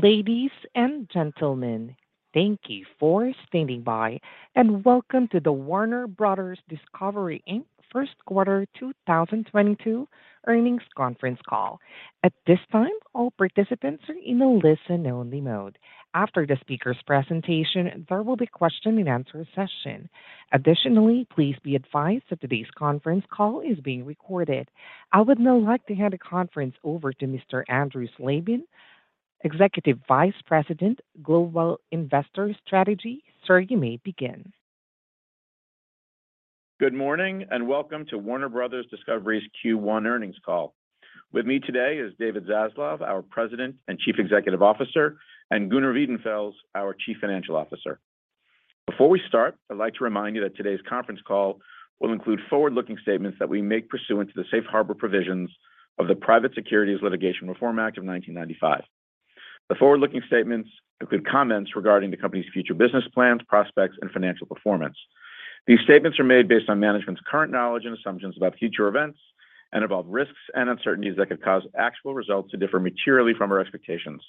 Ladies and gentlemen, thank you for standing by, and welcome to the Warner Bros. Discovery Inc. first quarter 2022 earnings conference call. At this time, all participants are in a listen-only mode. After the speaker's presentation, there will be a Q&A session. Additionally, please be advised that today's conference call is being recorded. I would now like to hand the conference over to Mr. Andrew Slabin, Executive Vice President, Global Investor Strategy. Sir, you may begin. Good morning and welcome to Warner Bros. Discovery's Q1 earnings call. With me today is David Zaslav, our President and Chief Executive Officer, and Gunnar Wiedenfels, our Chief Financial Officer. Before we start, I'd like to remind you that today's conference call will include forward-looking statements that we make pursuant to the Safe Harbor Provisions of the Private Securities Litigation Reform Act of 1995. The forward-looking statements include comments regarding the company's future business plans, prospects, and financial performance. These statements are made based on management's current knowledge and assumptions about future events and about risks and uncertainties that could cause actual results to differ materially from our expectations.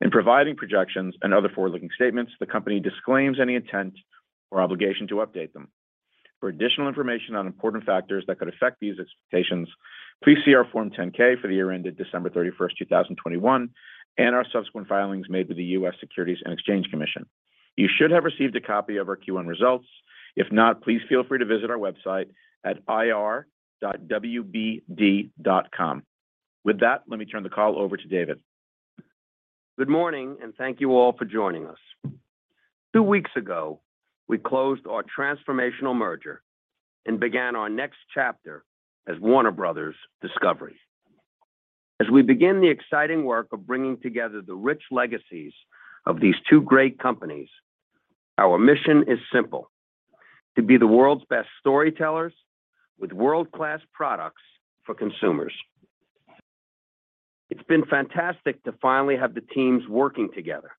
In providing projections and other forward-looking statements, the company disclaims any intent or obligation to update them. For additional information on important factors that could affect these expectations, please see our Form 10-K for the year ended December 31st, 2021, and our subsequent filings made with the US Securities and Exchange Commission. You should have received a copy of our Q1 results. If not, please feel free to visit our website at ir.wbd.com. With that, let me turn the call over to David. Good morning, and thank you all for joining us. Two weeks ago, we closed our transformational merger and began our next chapter as Warner Bros. Discovery. As we begin the exciting work of bringing together the rich legacies of these two great companies, our mission is simple. To be the world's best storytellers with world-class products for consumers. It's been fantastic to finally have the teams working together,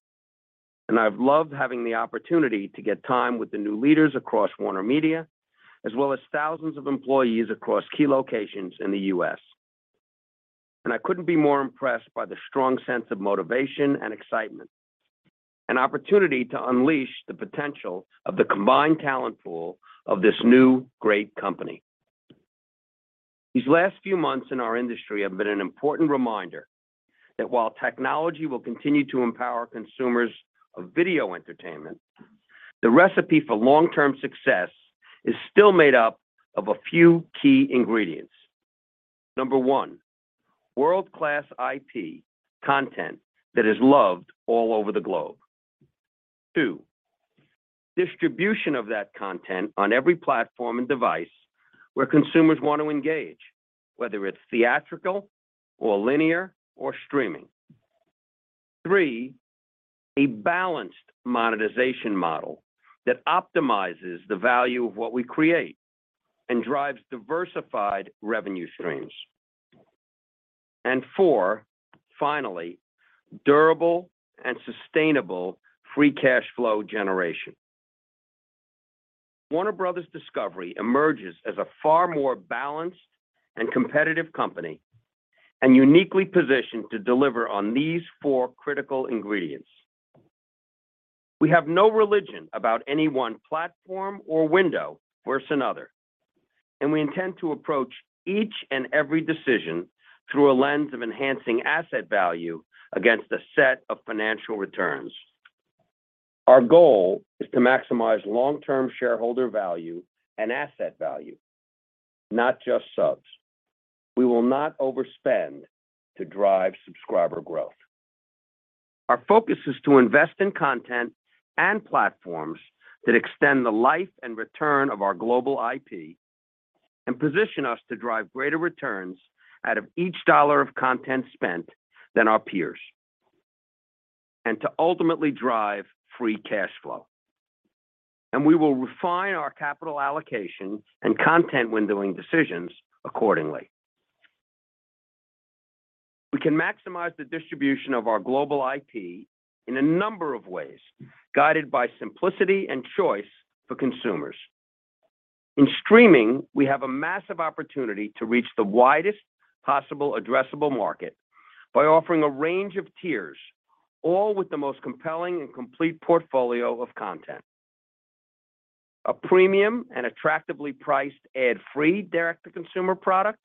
and I've loved having the opportunity to get time with the new leaders across WarnerMedia, as well as thousands of employees across key locations in the U.S. I couldn't be more impressed by the strong sense of motivation and excitement, an opportunity to unleash the potential of the combined talent pool of this new great company. These last few months in our industry have been an important reminder that while technology will continue to empower consumers of video entertainment, the recipe for long-term success is still made up of a few key ingredients. Number one, world-class IP content that is loved all over the globe. Two, distribution of that content on every platform and device where consumers want to engage, whether it's theatrical or linear or streaming. Three, a balanced monetization model that optimizes the value of what we create and drives diversified revenue streams. Four, finally, durable and sustainable free cash flow generation. Warner Bros. Discovery emerges as a far more balanced and competitive company and uniquely positioned to deliver on these four critical ingredients. We have no religion about any one platform or window versus the other, and we intend to approach each and every decision through a lens of enhancing asset value against a set of financial returns. Our goal is to maximize long-term shareholder value and asset value, not just subs. We will not overspend to drive subscriber growth. Our focus is to invest in content and platforms that extend the life and return of our global IP and position us to drive greater returns out of each dollar of content spent than our peers, and to ultimately drive free cash flow. We will refine our capital allocation and content windowing decisions accordingly. We can maximize the distribution of our global IP in a number of ways, guided by simplicity and choice for consumers. In streaming, we have a massive opportunity to reach the widest possible addressable market by offering a range of tiers, all with the most compelling and complete portfolio of content, a premium and attractively priced ad-free direct-to-consumer product,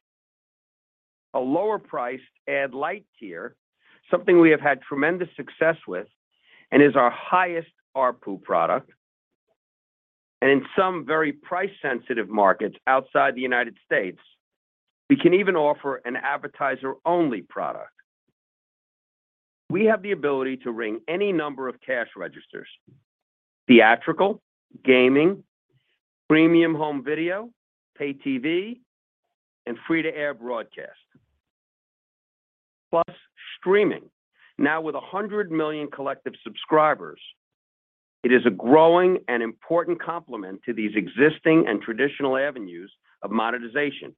a lower priced ad light tier, something we have had tremendous success with and is our highest ARPU product. In some very price sensitive markets outside the United States, we can even offer an advertiser only product. We have the ability to ring any number of cash registers, theatrical, gaming, premium home video, pay TV, and free to air broadcast, plus streaming. Now with 100 million collective subscribers, it is a growing and important complement to these existing and traditional avenues of monetization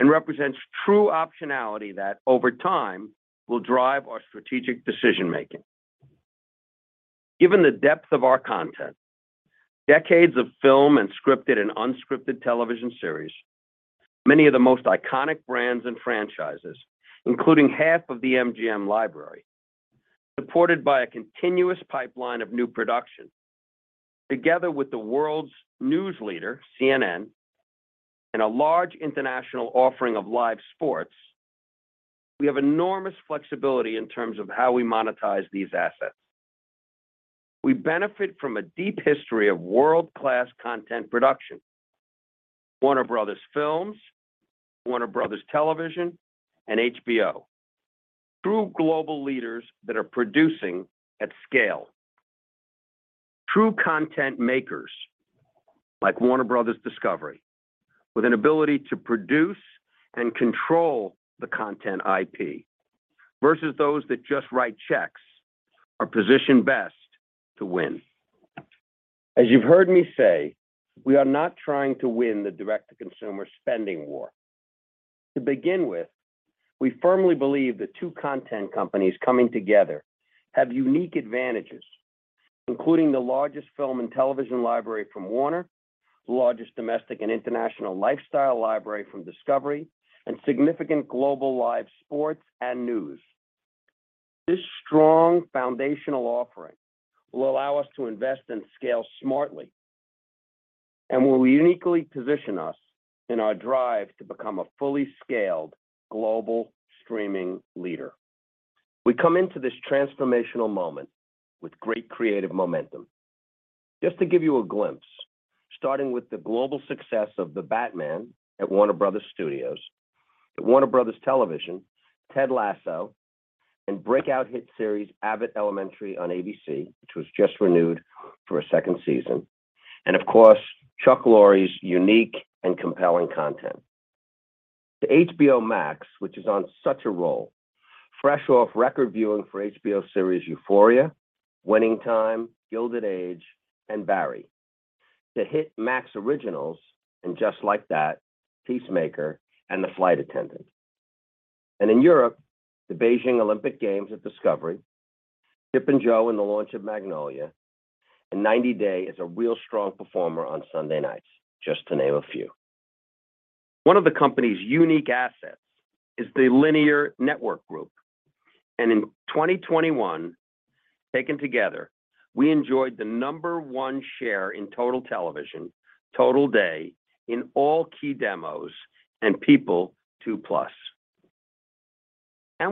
and represents true optionality that over time will drive our strategic decision-making. Given the depth of our content, decades of film and scripted and unscripted television series, many of the most iconic brands and franchises, including half of the MGM library, supported by a continuous pipeline of new production, together with the world's news leader, CNN, and a large international offering of live sports, we have enormous flexibility in terms of how we monetize these assets. We benefit from a deep history of world-class content production. Warner Bros. Pictures, Warner Bros. Television, and HBO. True global leaders that are producing at scale. True content makers like Warner Bros. Discovery, with an ability to produce and control the content IP versus those that just write checks are positioned best to win. As you've heard me say, we are not trying to win the direct to consumer spending war. To begin with, we firmly believe that two content companies coming together have unique advantages, including the largest film and television library from Warner, the largest domestic and international lifestyle library from Discovery, and significant global live sports and news. This strong foundational offering will allow us to invest and scale smartly and will uniquely position us in our drive to become a fully scaled global streaming leader. We come into this transformational moment with great creative momentum. Just to give you a glimpse, starting with the global success of The Batman at Warner Bros. Studios. At Warner Bros. Television, Ted Lasso and breakout hit series Abbott Elementary on ABC, which was just renewed for a second season. Of course, Chuck Lorre's unique and compelling content. To HBO Max, which is on such a roll, fresh off record viewing for HBO series Euphoria, Winning Time, Gilded Age, and Barry. To highlight Max originals And Just Like That..., Peacemaker, and The Flight Attendant. In Europe, the Beijing Olympic Games on Discovery, Chip and Jo in the launch of Magnolia, and 90 Day Fiancé is a real strong performer on Sunday nights, just to name a few. One of the company's unique assets is the Linear Network Group. In 2021, taken together, we enjoyed the number one share in total television, total day in all key demos and people 2+.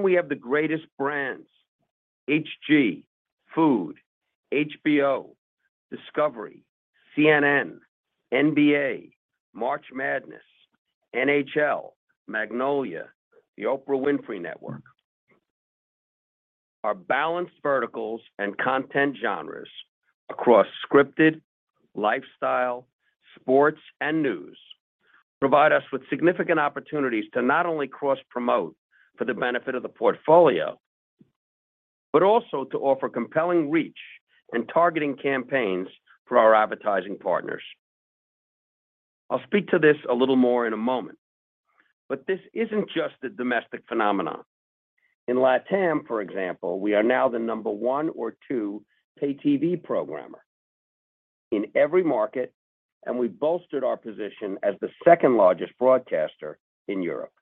We have the greatest brands, HGTV, Food Network, HBO, Discovery, CNN, NBA, March Madness, NHL, Magnolia Network, The Oprah Winfrey Network. Our balanced verticals and content genres across scripted, lifestyle, sports, and news provide us with significant opportunities to not only cross-promote for the benefit of the portfolio, but also to offer compelling reach in targeting campaigns for our advertising partners. I'll speak to this a little more in a moment, but this isn't just a domestic phenomenon. In LATAM, for example, we are now the number one or two pay TV programmer in every market, and we bolstered our position as the second-largest broadcaster in Europe.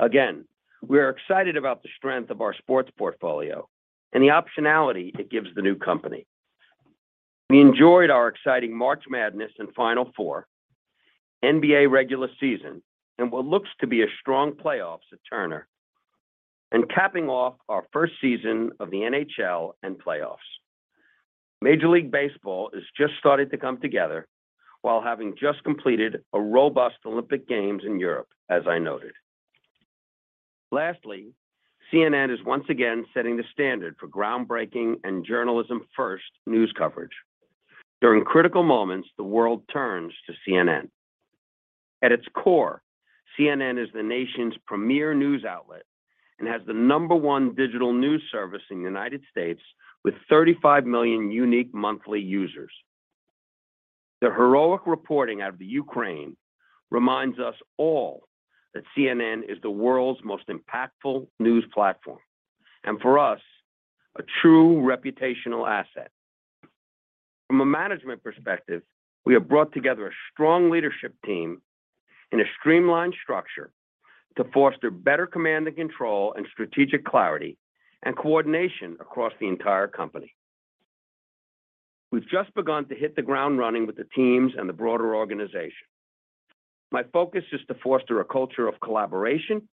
Again, we are excited about the strength of our sports portfolio and the optionality it gives the new company. We enjoyed our exciting March Madness and Final Four NBA regular season and what looks to be a strong playoffs at Turner and capping off our first season of the NHL and playoffs. Major League Baseball has just started to come together while having just completed a robust Olympic Games in Europe, as I noted. Lastly, CNN is once again setting the standard for groundbreaking and journalism-first news coverage. During critical moments, the world turns to CNN. At its core, CNN is the nation's premier news outlet and has the number one digital news service in the United States with 35 million unique monthly users. The heroic reporting out of the Ukraine reminds us all that CNN is the world's most impactful news platform, and for us, a true reputational asset. From a management perspective, we have brought together a strong leadership team in a streamlined structure to foster better command and control and strategic clarity and coordination across the entire company. We've just begun to hit the ground running with the teams and the broader organization. My focus is to foster a culture of collaboration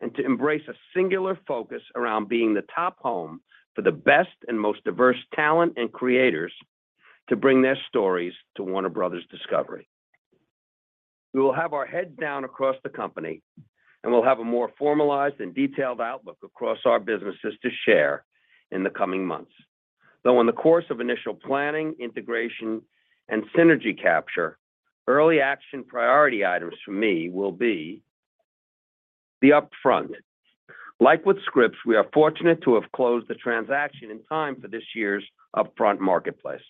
and to embrace a singular focus around being the top home for the best and most diverse talent and creators to bring their stories to Warner Bros. Discovery. We will have our heads down across the company and we'll have a more formalized and detailed outlook across our businesses to share in the coming months. Though in the course of initial planning, integration, and synergy capture, early action priority items for me will be the upfront. Like with Scripps, we are fortunate to have closed the transaction in time for this year's upfront marketplace.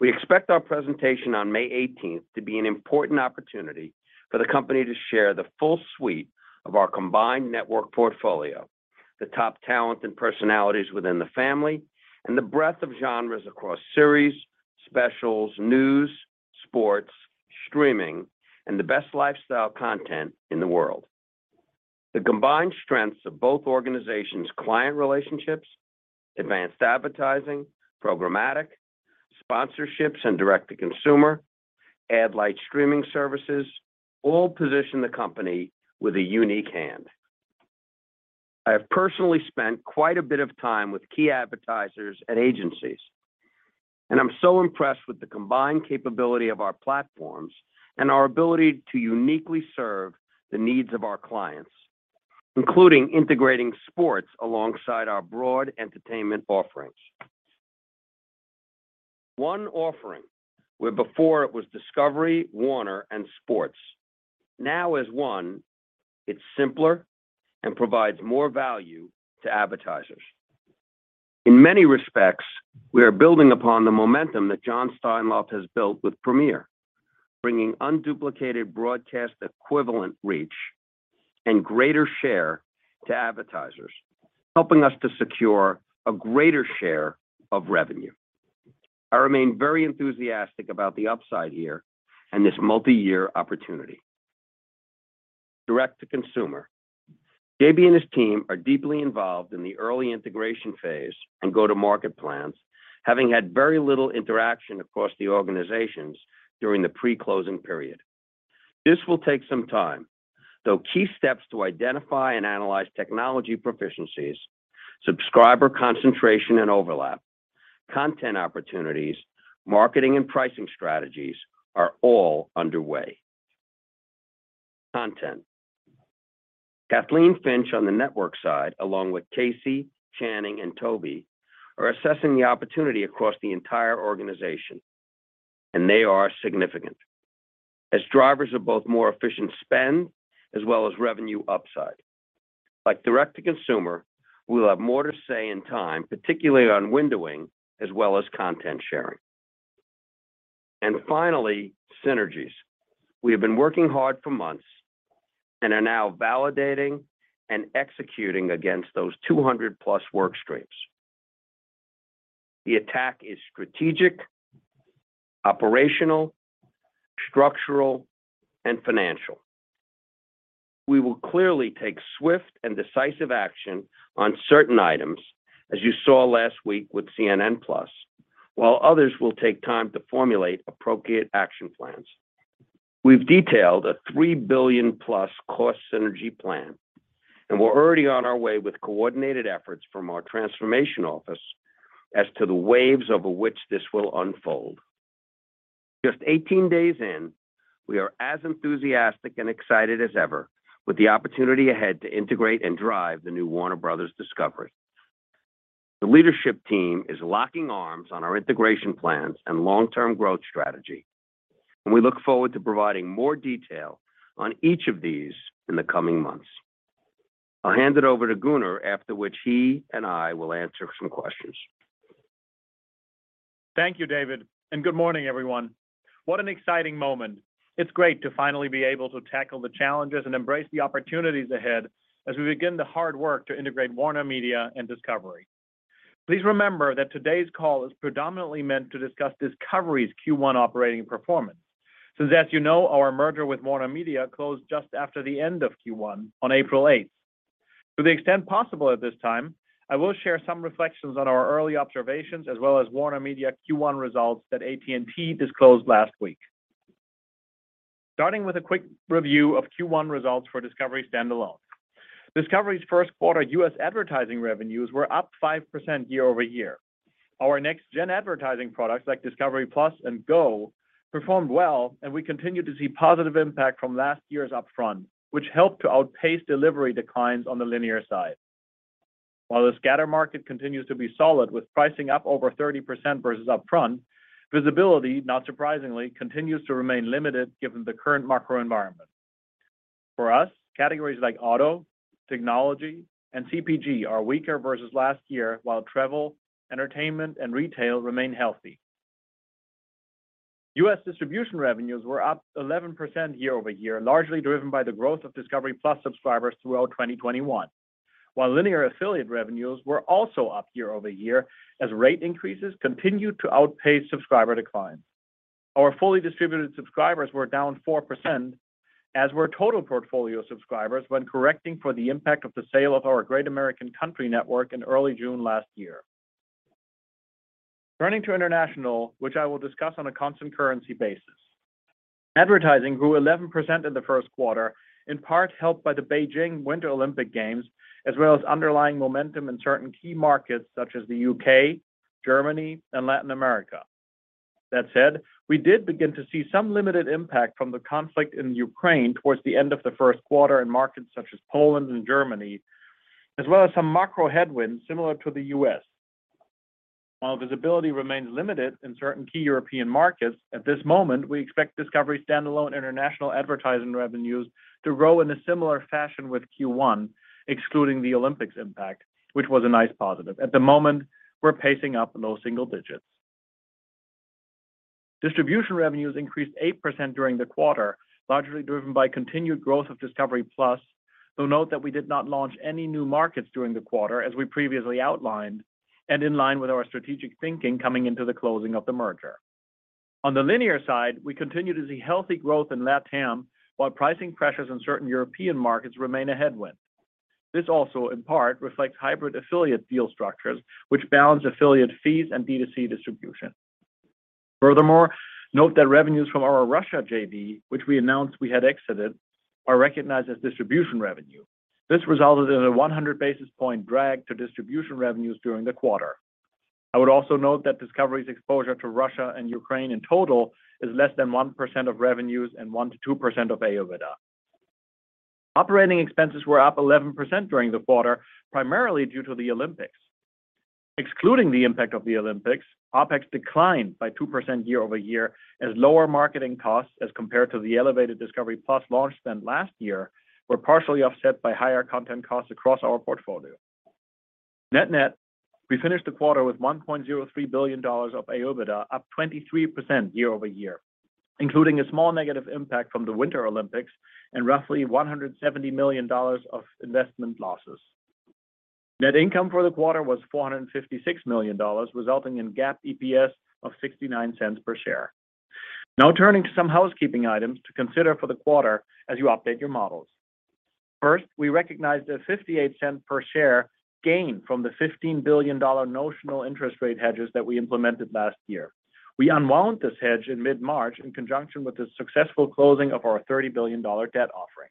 We expect our presentation on May eighteenth to be an important opportunity for the company to share the full suite of our combined network portfolio, the top talent and personalities within the family, and the breadth of genres across series, specials, news, sports, streaming, and the best lifestyle content in the world. The combined strengths of both organizations' client relationships, advanced advertising, programmatic, sponsorships and direct-to-consumer, ad-light streaming services all position the company with a unique hand. I have personally spent quite a bit of time with key advertisers and agencies, and I'm so impressed with the combined capability of our platforms and our ability to uniquely serve the needs of our clients, including integrating sports alongside our broad entertainment offerings. One offering, where before it was Discovery, Warner, and Sports, now as one, it's simpler and provides more value to advertisers. In many respects, we are building upon the momentum that Jon Steinlauf has built with Premiere, bringing unduplicated broadcast equivalent reach and greater share to advertisers, helping us to secure a greater share of revenue. I remain very enthusiastic about the upside here and this multi-year opportunity. Direct-to-consumer. JB and his team are deeply involved in the early integration phase and go-to-market plans, having had very little interaction across the organizations during the pre-closing period. This will take some time, though key steps to identify and analyze technology proficiencies, subscriber concentration and overlap, content opportunities, marketing and pricing strategies are all underway. Content. Kathleen Finch on the network side, along with Casey, Channing, and Toby, are assessing the opportunity across the entire organization, and they are significant as drivers of both more efficient spend as well as revenue upside. Like direct-to-consumer, we'll have more to say in time, particularly on windowing as well as content sharing. Finally, synergies. We have been working hard for months and are now validating and executing against those 200+ work streams. The attack is strategic, operational, structural, and financial. We will clearly take swift and decisive action on certain items, as you saw last week with CNN+, while others will take time to formulate appropriate action plans. We've detailed a $3 billion-plus cost synergy plan, and we're already on our way with coordinated efforts from our transformation office as to the waves over which this will unfold. Just 18 days in, we are as enthusiastic and excited as ever with the opportunity ahead to integrate and drive the new Warner Bros. Discovery. The leadership team is locking arms on our integration plans and long-term growth strategy, and we look forward to providing more detail on each of these in the coming months. I'll hand it over to Gunnar, after which he and I will answer some questions. Thank you, David, and good morning, everyone. What an exciting moment. It's great to finally be able to tackle the challenges and embrace the opportunities ahead as we begin the hard work to integrate WarnerMedia and Discovery. Please remember that today's call is predominantly meant to discuss Discovery's Q1 operating performance, since as you know, our merger with WarnerMedia closed just after the end of Q1 on April 8. To the extent possible at this time, I will share some reflections on our early observations as well as WarnerMedia Q1 results that AT&T disclosed last week. Starting with a quick review of Q1 results for Discovery standalone. Discovery's first quarter U.S. advertising revenues were up 5% year-over-year. Our next-gen advertising products like discovery+ and Discovery GO performed well, and we continue to see positive impact from last year's upfront, which helped to outpace delivery declines on the linear side. While the scatter market continues to be solid with pricing up over 30% versus upfront, visibility, not surprisingly, continues to remain limited given the current macro environment. For us, categories like auto, technology, and CPG are weaker versus last year, while travel, entertainment, and retail remain healthy. U.S. distribution revenues were up 11% year-over-year, largely driven by the growth of discovery+ subscribers throughout 2021. While linear affiliate revenues were also up year-over-year as rate increases continued to outpace subscriber declines. Our fully distributed subscribers were down 4% as were total portfolio subscribers when correcting for the impact of the sale of our Great American Country network in early June last year. Turning to international, which I will discuss on a constant currency basis. Advertising grew 11% in the first quarter, in part helped by the Beijing Winter Olympic Games, as well as underlying momentum in certain key markets such as the U.K., Germany, and Latin America. That said, we did begin to see some limited impact from the conflict in Ukraine towards the end of the first quarter in markets such as Poland and Germany, as well as some macro headwinds similar to the U.S. While visibility remains limited in certain key European markets, at this moment, we expect Discovery standalone international advertising revenues to grow in a similar fashion with Q1, excluding the Olympics impact, which was a nice positive. At the moment, we're pacing up in those single digits. Distribution revenues increased 8% during the quarter, largely driven by continued growth of discovery+, though note that we did not launch any new markets during the quarter as we previously outlined and in line with our strategic thinking coming into the closing of the merger. On the linear side, we continued to see healthy growth in LATAM, while pricing pressures in certain European markets remain a headwind. This also, in part, reflects hybrid affiliate deal structures which balance affiliate fees and D2C distribution. Furthermore, note that revenues from our Russia JV, which we announced we had exited, are recognized as distribution revenue. This resulted in a 100 basis point drag to distribution revenues during the quarter. I would also note that Discovery's exposure to Russia and Ukraine in total is less than 1% of revenues and 1%-2% of Adjusted OIBDA. Operating expenses were up 11% during the quarter, primarily due to the Olympics. Excluding the impact of the Olympics, OpEx declined by 2% year-over-year as lower marketing costs as compared to the elevated Discovery+ launch spend last year were partially offset by higher content costs across our portfolio. Net-net, we finished the quarter with $1.03 billion of Adjusted OIBDA, up 23% year-over-year, including a small negative impact from the Winter Olympics and roughly $170 million of investment losses. Net income for the quarter was $456 million, resulting in GAAP EPS of $0.69 per share. Now turning to some housekeeping items to consider for the quarter as you update your models. First, we recognized a $0.58 per share gain from the $15 billion notional interest rate hedges that we implemented last year. We unwound this hedge in mid-March in conjunction with the successful closing of our $30 billion debt offering.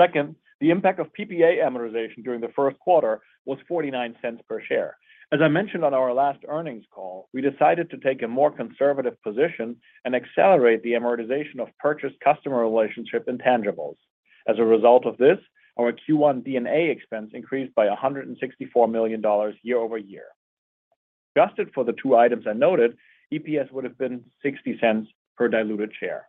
Second, the impact of PPA amortization during the first quarter was $0.49 per share. As I mentioned on our last earnings call, we decided to take a more conservative position and accelerate the amortization of purchased customer relationship intangibles. As a result of this, our Q1 D&A expense increased by $164 million year-over-year. Adjusted for the two items I noted, EPS would have been $0.60 per diluted share.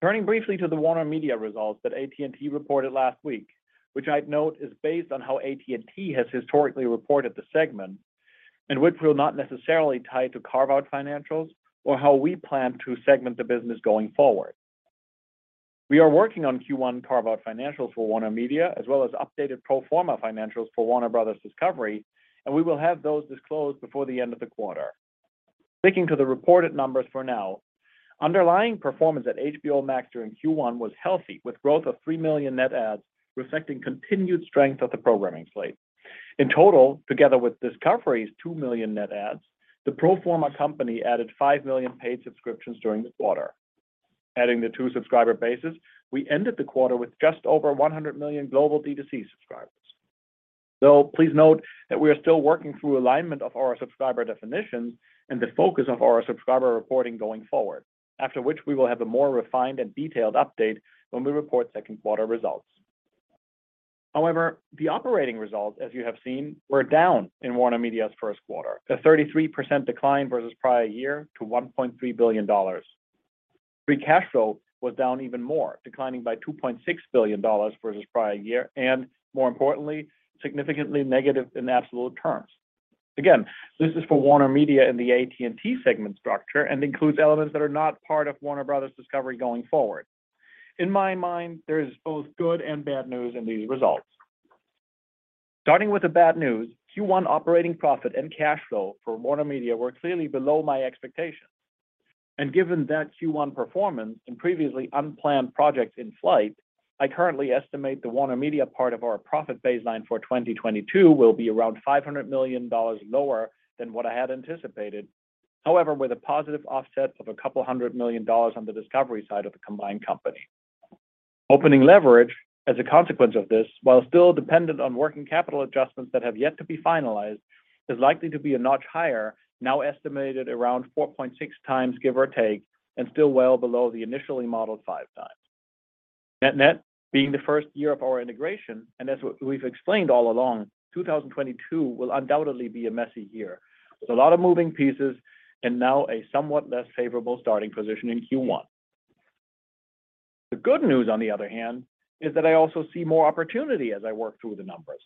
Turning briefly to the WarnerMedia results that AT&T reported last week, which I'd note is based on how AT&T has historically reported the segment and which will not necessarily tie to carve-out financials or how we plan to segment the business going forward. We are working on Q1 carve-out financials for WarnerMedia, as well as updated pro forma financials for Warner Bros. Discovery, and we will have those disclosed before the end of the quarter. Sticking to the reported numbers for now, underlying performance at HBO Max during Q1 was healthy, with growth of 3 million net adds reflecting continued strength of the programming slate. In total, together with Discovery's 2 million net adds, the pro forma company added 5 million paid subscriptions during the quarter. Adding the two subscriber bases, we ended the quarter with just over 100 million global D2C subscribers. Though please note that we are still working through alignment of our subscriber definitions and the focus of our subscriber reporting going forward. After which we will have a more refined and detailed update when we report second quarter results. However, the operating results, as you have seen, were down in WarnerMedia's first quarter, a 33% decline versus prior year to $1.3 billion. Free cash flow was down even more, declining by $2.6 billion versus prior year and, more importantly, significantly negative in absolute terms. Again, this is for WarnerMedia in the AT&T segment structure and includes elements that are not part of Warner Bros. Discovery going forward. In my mind, there is both good and bad news in these results. Starting with the bad news, Q1 operating profit and cash flow for WarnerMedia were clearly below my expectations. Given that Q1 performance and previously unplanned projects in flight, I currently estimate the WarnerMedia part of our profit baseline for 2022 will be around $500 million lower than what I had anticipated. However, with a positive offset of $200 million on the Discovery side of the combined company. Opening leverage as a consequence of this, while still dependent on working capital adjustments that have yet to be finalized, is likely to be a notch higher, now estimated around 4.6x, give or take, and still well below the initially modeled 5x. Net-net being the first year of our integration, and as we've explained all along, 2022 will undoubtedly be a messy year with a lot of moving pieces and now a somewhat less favorable starting position in Q1. The good news, on the other hand, is that I also see more opportunity as I work through the numbers.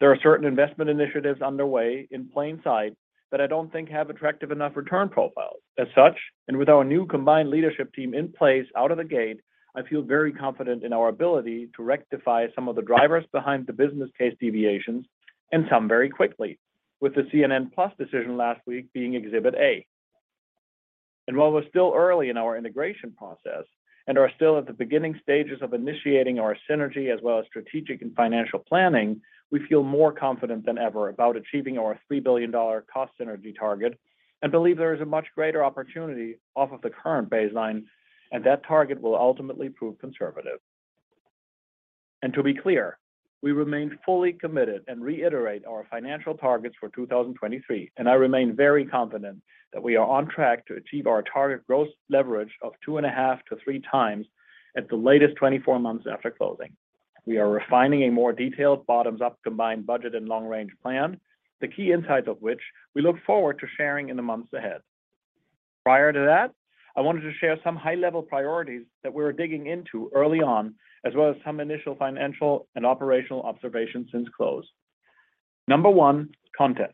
There are certain investment initiatives underway in plain sight that I don't think have attractive enough return profiles. As such, and with our new combined leadership team in place out of the gate, I feel very confident in our ability to rectify some of the drivers behind the business case deviations and some very quickly. With the CNN+ decision last week being Exhibit A. While we're still early in our integration process and are still at the beginning stages of initiating our synergy as well as strategic and financial planning, we feel more confident than ever about achieving our $3 billion cost synergy target and believe there is a much greater opportunity off of the current baseline, and that target will ultimately prove conservative. To be clear, we remain fully committed and reiterate our financial targets for 2023, and I remain very confident that we are on track to achieve our target growth leverage of 2.5x-3x at the latest 24 months after closing. We are refining a more detailed bottoms-up combined budget and long-range plan, the key insights of which we look forward to sharing in the months ahead. Prior to that, I wanted to share some high-level priorities that we're digging into early on, as well as some initial financial and operational observations since close. Number one, content.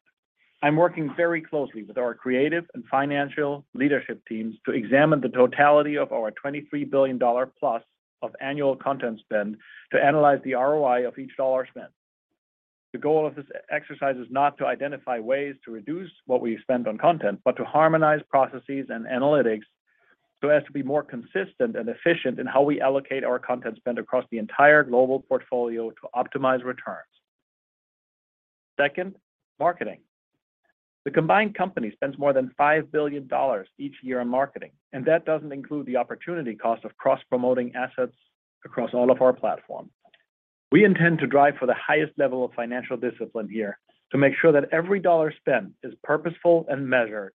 I'm working very closely with our creative and financial leadership teams to examine the totality of our $23 billion+ of annual content spend to analyze the ROI of each dollar spent. The goal of this exercise is not to identify ways to reduce what we spend on content, but to harmonize processes and analytics so as to be more consistent and efficient in how we allocate our content spend across the entire global portfolio to optimize returns. Second, marketing. The combined company spends more than $5 billion each year on marketing, and that doesn't include the opportunity cost of cross-promoting assets across all of our platforms. We intend to drive for the highest level of financial discipline here to make sure that every dollar spent is purposeful and measured.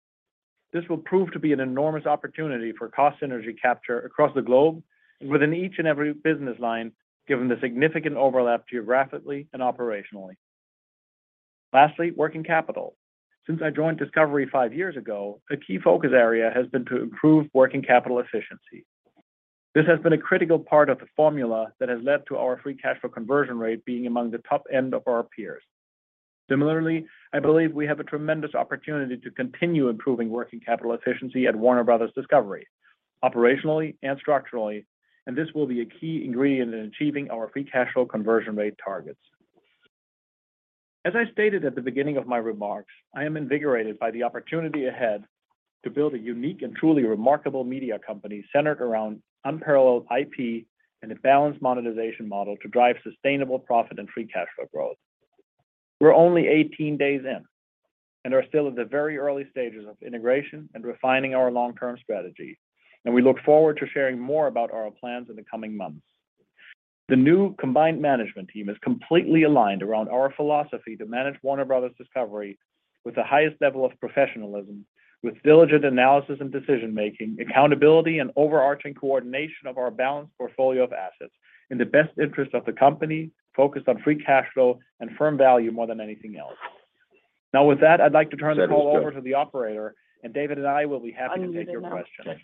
This will prove to be an enormous opportunity for cost synergy capture across the globe and within each and every business line, given the significant overlap geographically and operationally. Lastly, working capital. Since I joined Discovery five years ago, a key focus area has been to improve working capital efficiency. This has been a critical part of the formula that has led to our free cash flow conversion rate being among the top end of our peers. Similarly, I believe we have a tremendous opportunity to continue improving working capital efficiency at Warner Bros. Discovery, operationally and structurally, and this will be a key ingredient in achieving our free cash flow conversion rate targets. As I stated at the beginning of my remarks, I am invigorated by the opportunity ahead to build a unique and truly remarkable media company centered around unparalleled IP and a balanced monetization model to drive sustainable profit and free cash flow growth. We're only 18 days in and are still at the very early stages of integration and refining our long-term strategy, and we look forward to sharing more about our plans in the coming months. The new combined management team is completely aligned around our philosophy to manage Warner Bros. Discovery with the highest level of professionalism, with diligent analysis and decision-making, accountability, and overarching coordination of our balanced portfolio of assets in the best interest of the company, focused on free cash flow and firm value more than anything else. Now, with that, I'd like to turn the call over to the operator, and David and I will be happy to take your questions.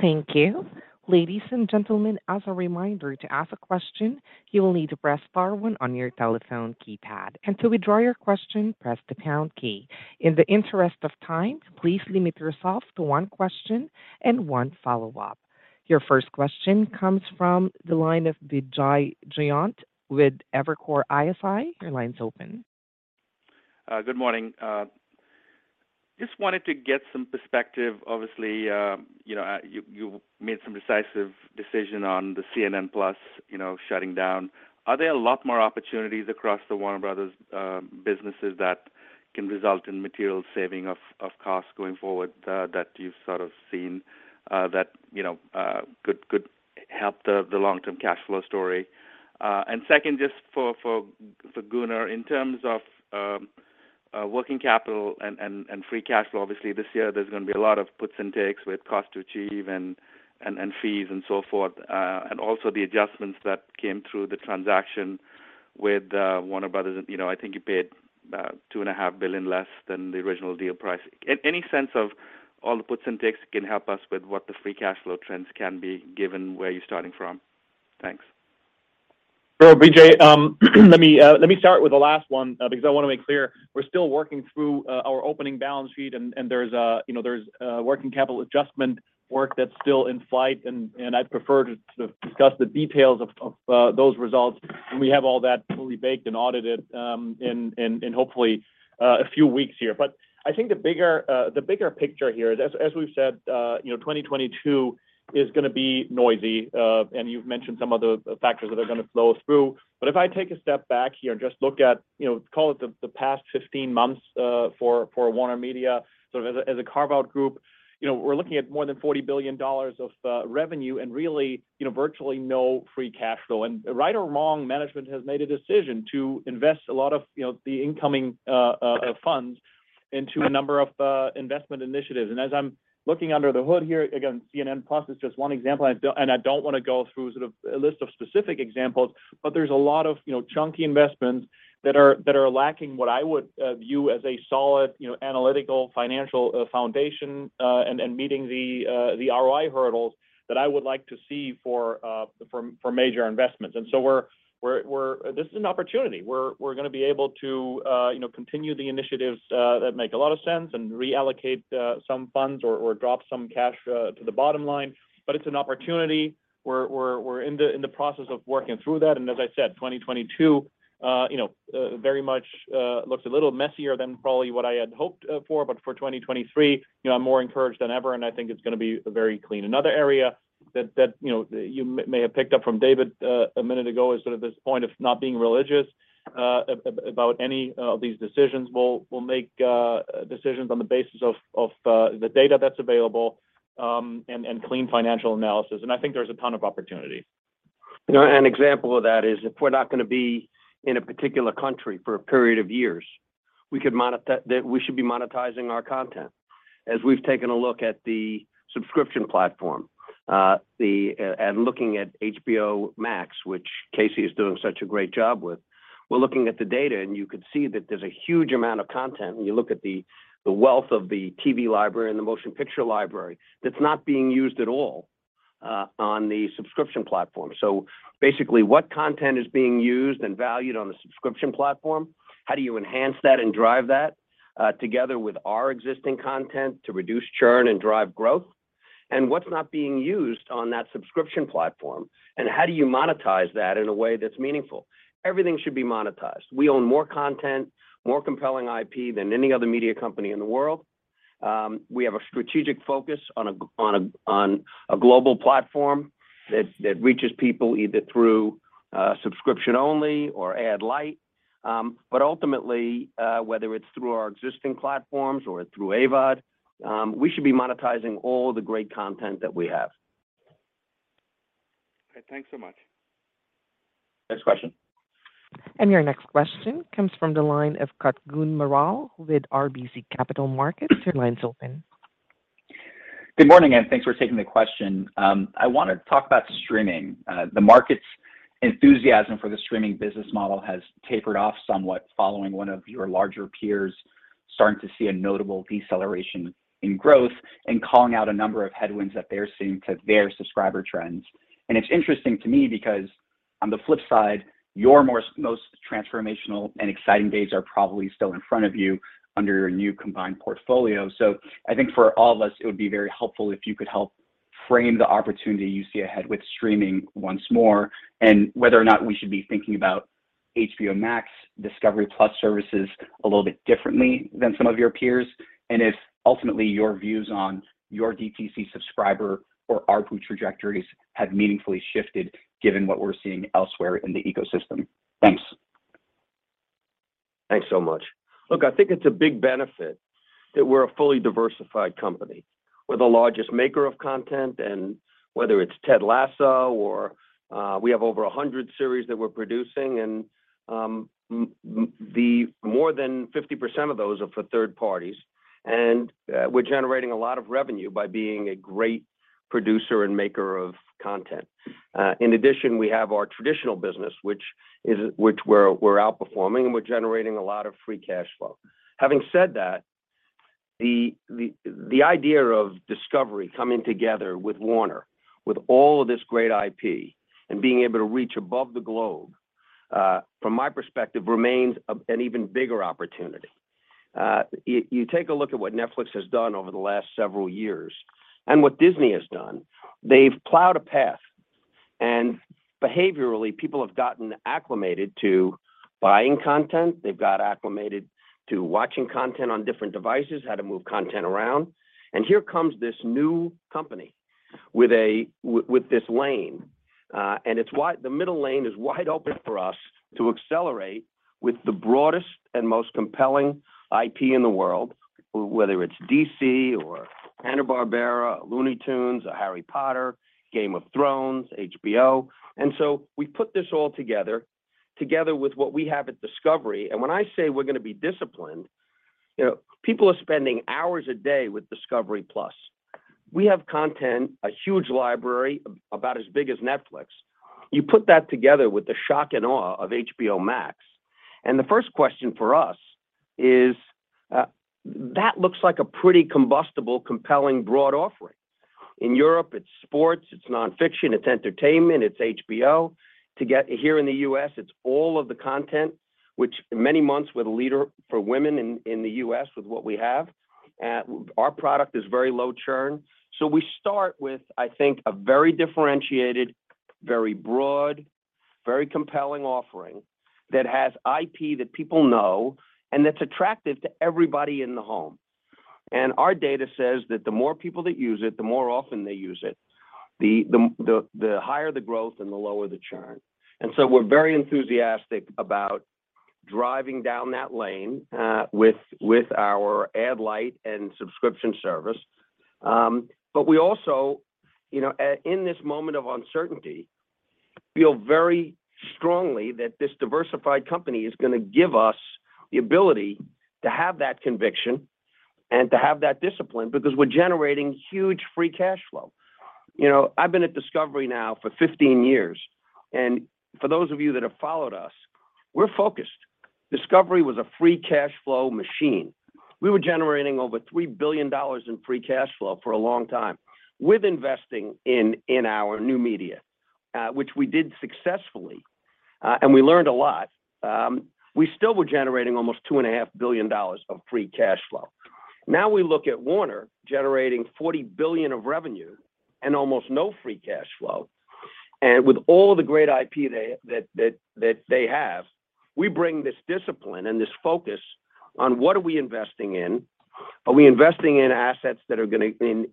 Thank you. Ladies and gentlemen, as a reminder, to ask a question, you will need to press star one on your telephone keypad. Until we withdraw your question, press the pound key. In the interest of time, please limit yourself to one question and one follow-up. Your first question comes from the line of Vijay Jayant with Evercore ISI. Your line's open. Good morning. Just wanted to get some perspective. Obviously, you know, you made some decisive decision on the CNN+, you know, shutting down. Are there a lot more opportunities across the Warner Bros. businesses that can result in material saving of costs going forward, that you've sort of seen, that, you know, could help the long-term cash flow story? Second, just for Gunnar, in terms of working capital and free cash flow, obviously this year there's gonna be a lot of puts and takes with cost to achieve and fees and so forth, and also the adjustments that came through the transaction with Warner Bros. You know, I think you paid $2.5 billion less than the original deal price. Any sense of all the puts and takes can help us with what the free cash flow trends can be given where you're starting from? Thanks. Vijay, let me start with the last one, because I wanna make clear we're still working through our opening balance sheet and there's, you know, working capital adjustment work that's still in flight and I'd prefer to sort of discuss the details of those results when we have all that fully baked and audited, in hopefully a few weeks here. I think the bigger picture here as we've said, you know, 2022 is gonna be noisy, and you've mentioned some of the factors that are gonna flow through. If I take a step back here and just look at, you know, call it the past 15 months for WarnerMedia, sort of as a carve-out group, you know, we're looking at more than $40 billion of revenue and really, you know, virtually no free cash flow. Right or wrong, management has made a decision to invest a lot of, you know, the incoming funds into a number of investment initiatives. As I'm looking under the hood here, again, CNN+ is just one example, and I don't wanna go through sort of a list of specific examples, but there's a lot of, you know, chunky investments that are lacking what I would view as a solid, you know, analytical, financial foundation and meeting the ROI hurdles that I would like to see for major investments. This is an opportunity. We're gonna be able to, you know, continue the initiatives that make a lot of sense and reallocate some funds or drop some cash to the bottom line. It's an opportunity. We're in the process of working through that. As I said, 2022, you know, very much looks a little messier than probably what I had hoped for. But for 2023, you know, I'm more encouraged than ever, and I think it's gonna be very clean. Another area that, you know, you may have picked up from David a minute ago is sort of this point of not being religious about any of these decisions. We'll make decisions on the basis of the data that's available, and clean financial analysis. I think there's a ton of opportunity. You know, an example of that is if we're not gonna be in a particular country for a period of years, we should be monetizing our content. As we've taken a look at the subscription platform and looking at HBO Max, which Casey is doing such a great job with, we're looking at the data, and you could see that there's a huge amount of content when you look at the wealth of the TV library and the motion picture library that's not being used at all on the subscription platform. Basically, what content is being used and valued on the subscription platform? How do you enhance that and drive that together with our existing content to reduce churn and drive growth? What's not being used on that subscription platform, and how do you monetize that in a way that's meaningful? Everything should be monetized. We own more content, more compelling IP than any other media company in the world. We have a strategic focus on a global platform that reaches people either through subscription only or ad light. But ultimately, whether it's through our existing platforms or through AVOD, we should be monetizing all the great content that we have. All right. Thanks so much. Next question. Your next question comes from the line of Kutgun Maral with RBC Capital Markets. Your line's open. Good morning, and thanks for taking the question. I wanna talk about streaming. The market's enthusiasm for the streaming business model has tapered off somewhat following one of your larger peers starting to see a notable deceleration in growth and calling out a number of headwinds that they're seeing to their subscriber trends. It's interesting to me because on the flip side, your most transformational and exciting days are probably still in front of you under your new combined portfolio. I think for all of us, it would be very helpful if you could help frame the opportunity you see ahead with streaming once more and whether or not we should be thinking about HBO Max, discovery+ services a little bit differently than some of your peers and if ultimately your views on your DTC subscriber or ARPU trajectories have meaningfully shifted given what we're seeing elsewhere in the ecosystem. Thanks. Thanks so much. Look, I think it's a big benefit that we're a fully diversified company. We're the largest maker of content, and whether it's Ted Lasso or we have over 100 series that we're producing and the more than 50% of those are for third parties. We're generating a lot of revenue by being a great producer and maker of content. In addition, we have our traditional business which we're outperforming and we're generating a lot of free cash flow. Having said that, the idea of Discovery coming together with Warner with all of this great IP and being able to reach all over the globe from my perspective remains an even bigger opportunity. You take a look at what Netflix has done over the last several years and what Disney has done. They've plowed a path and behaviorally people have gotten acclimated to buying content. They've got acclimated to watching content on different devices, how to move content around. Here comes this new company with this lane, and it's the middle lane is wide open for us to accelerate with the broadest and most compelling IP in the world, whether it's DC or Hanna-Barbera, Looney Tunes, a Harry Potter, Game of Thrones, HBO. We put this all together with what we have at Discovery. When I say we're gonna be disciplined, you know, people are spending hours a day with Discovery+. We have content, a huge library about as big as Netflix. You put that together with the shock and awe of HBO Max, and the first question for us is, that looks like a pretty combustible, compelling broad offering. In Europe, it's sports, it's nonfiction, it's entertainment, it's HBO. To get here in the U.S., it's all of the content which many months we're the leader for women in the U.S. with what we have. Our product is very low churn. We start with, I think, a very differentiated, very broad, very compelling offering that has IP that people know and that's attractive to everybody in the home. Our data says that the more people that use it, the more often they use it, the higher the growth and the lower the churn. We're very enthusiastic about driving down that lane, with our ad light and subscription service. We also, you know, in this moment of uncertainty feel very strongly that this diversified company is gonna give us the ability to have that conviction and to have that discipline because we're generating huge free cash flow. You know, I've been at Discovery now for 15 years, and for those of you that have followed us, we're focused. Discovery was a free cash flow machine. We were generating over $3 billion in free cash flow for a long time with investing in our new media, which we did successfully, and we learned a lot. We still were generating almost $2.5 billion of free cash flow. Now we look at Warner generating $40 billion of revenue and almost no free cash flow. With all the great IP that they have, we bring this discipline and this focus on what are we investing in. Are we investing in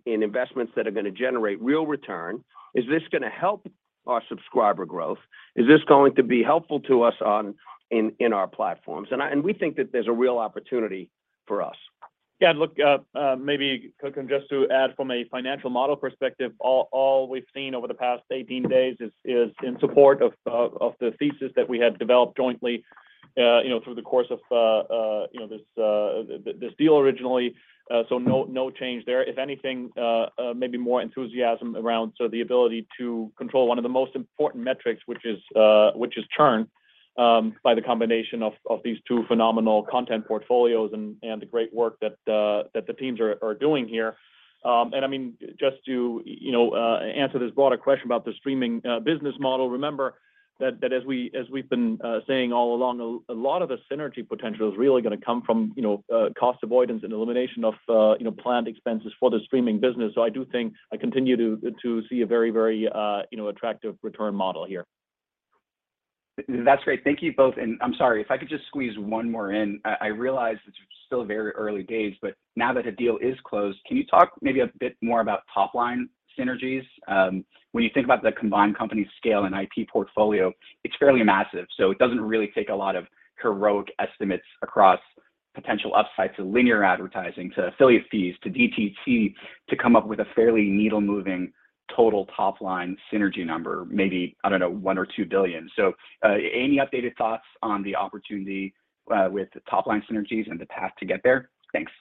investments that are gonna generate real return? Is this gonna help our subscriber growth? Is this going to be helpful to us in our platforms? We think that there's a real opportunity for us. Yeah, look, maybe, Kutgun, just to add from a financial model perspective, all we've seen over the past 18 days is in support of the thesis that we had developed jointly, you know, through the course of, you know, this deal originally, so no change there. If anything, maybe more enthusiasm around the ability to control one of the most important metrics, which is churn, by the combination of these two phenomenal content portfolios and the great work that the teams are doing here. I mean, just to, you know, answer this broader question about the streaming business model, remember that as we've been saying all along, a lot of the synergy potential is really gonna come from, you know, cost avoidance and elimination of, you know, planned expenses for the streaming business. I do think I continue to see a very, you know, attractive return model here. That's great. Thank you both. I'm sorry, if I could just squeeze one more in. I realize it's still very early days, but now that the deal is closed, can you talk maybe a bit more about top-line synergies? When you think about the combined company scale and IP portfolio, it's fairly massive, so it doesn't really take a lot of heroic estimates across potential upside to linear advertising, to affiliate fees, to DTC to come up with a fairly needle-moving total top-line synergy number, maybe, I don't know, $1 billion or $2 billion. Any updated thoughts on the opportunity with the top-line synergies and the path to get there? Thanks.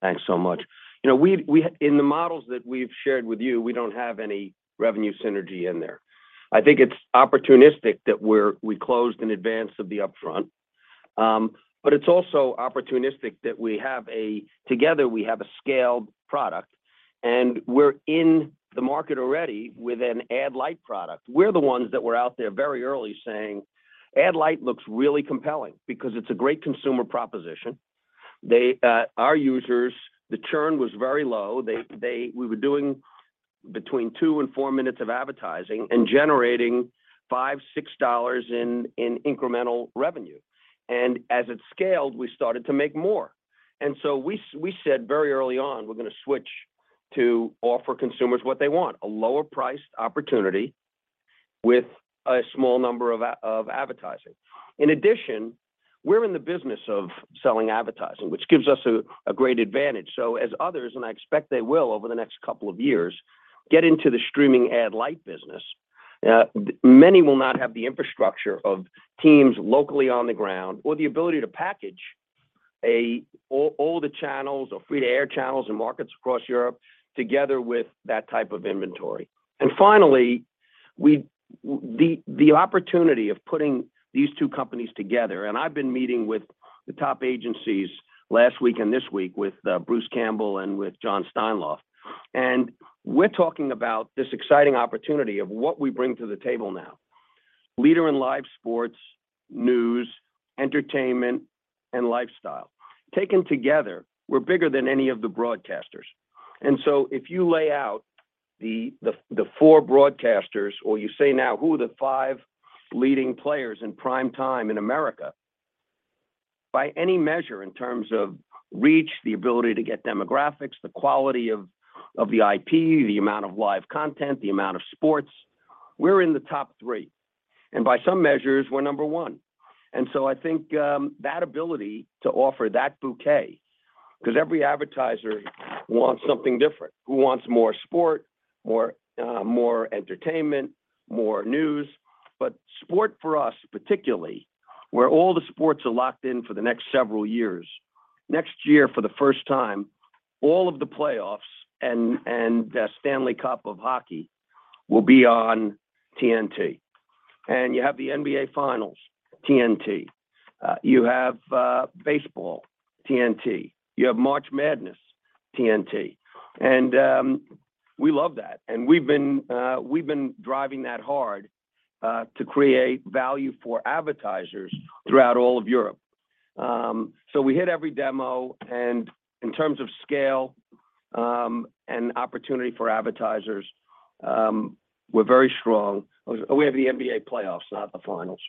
Thanks so much. You know, we in the models that we've shared with you, we don't have any revenue synergy in there. I think it's opportunistic that we closed in advance of the upfront. But it's also opportunistic that together we have a scaled product, and we're in the market already with an ad light product. We're the ones that were out there very early saying ad light looks really compelling because it's a great consumer proposition. Our users, the churn was very low. We were doing between two and four minutes of advertising and generating $5-$6 in incremental revenue. As it scaled, we started to make more. We said very early on, we're gonna switch to offer consumers what they want, a lower priced opportunity with a small number of advertising. In addition, we're in the business of selling advertising, which gives us a great advantage. As others, and I expect they will over the next couple of years, get into the streaming ad light business, many will not have the infrastructure of teams locally on the ground or the ability to package all the channels or free-to-air channels and markets across Europe together with that type of inventory. Finally, the opportunity of putting these two companies together, and I've been meeting with the top agencies last week and this week with Bruce Campbell and with Jon Steinlauf. We're talking about this exciting opportunity of what we bring to the table now. Leader in live sports, news, entertainment, and lifestyle. Taken together, we're bigger than any of the broadcasters. If you lay out the four broadcasters, or you say now, who are the five leading players in prime time in America, by any measure in terms of reach, the ability to get demographics, the quality of the IP, the amount of live content, the amount of sports, we're in the top three. By some measures, we're number one. I think that ability to offer that bouquet, 'cause every advertiser wants something different, who wants more sport, more entertainment, more news. But sport for us particularly, where all the sports are locked in for the next several years. Next year for the first time, all of the playoffs and the Stanley Cup of hockey will be on TNT. You have the NBA finals, TNT. You have baseball, TNT. You have March Madness, TNT. We love that. We've been driving that hard to create value for advertisers throughout all of Europe. So we hit every demo, and in terms of scale and opportunity for advertisers, we're very strong. We have the NBA playoffs, not the finals.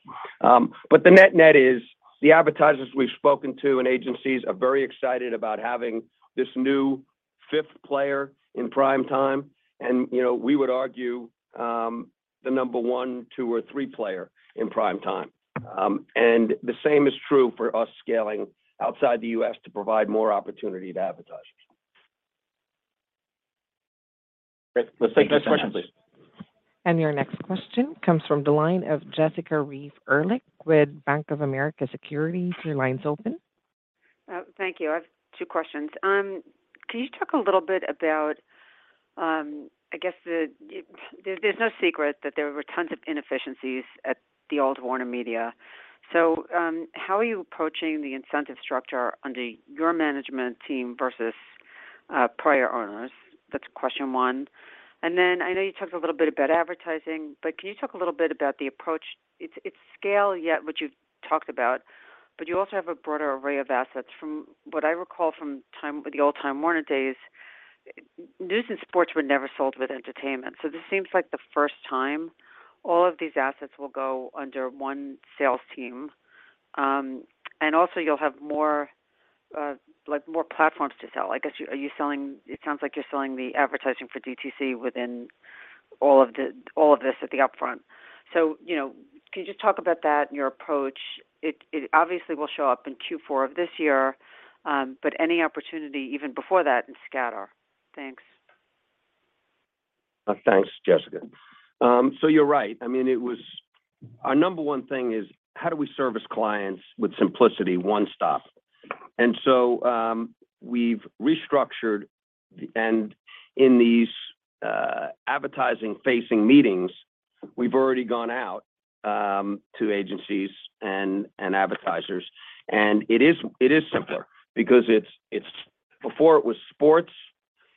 But the net-net is the advertisers we've spoken to and agencies are very excited about having this new fifth player in prime time. You know, we would argue the number one, two, or three player in prime time. The same is true for us scaling outside the U.S. to provide more opportunity to advertise. Great. Let's take the next question, please. Your next question comes from the line of Jessica Reif Ehrlich with Bank of America Securities. Your line's open. Thank you. I have two questions. Can you talk a little bit about, I guess there's no secret that there were tons of inefficiencies at the old WarnerMedia. How are you approaching the incentive structure under your management team versus prior owners? That's question one. I know you talked a little bit about advertising, but can you talk a little bit about the approach? It's scale yet what you've talked about, but you also have a broader array of assets. From what I recall from time, the old Time Warner days, news and sports were never sold with entertainment. This seems like the first time all of these assets will go under one sales team. Also you'll have more, like, more platforms to sell. I guess, are you selling? It sounds like you're selling the advertising for DTC within all of this at the upfront. You know, can you just talk about that and your approach? It obviously will show up in Q4 of this year, but any opportunity even before that in scatter. Thanks. Thanks, Jessica. So you're right. I mean, it was our number one thing is how do we service clients with simplicity, one-stop? We've restructured, and in these advertising-facing meetings, we've already gone out to agencies and advertisers. It is simpler because before it was sports,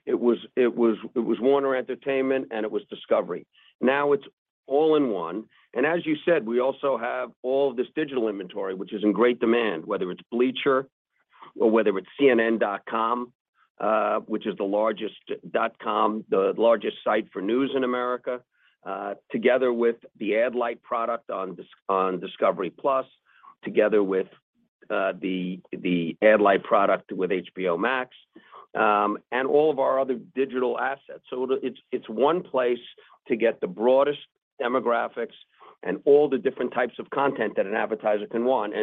Warner Entertainment, and Discovery. Now, it's all in one. As you said, we also have all of this digital inventory, which is in great demand, whether it's Bleacher or whether it's cnn.com, which is the largest dot-com, the largest site for news in America, together with the ad light product on discovery+, together with the ad light product with HBO Max, and all of our other digital assets. It's one place to get the broadest demographics and all the different types of content that an advertiser can want.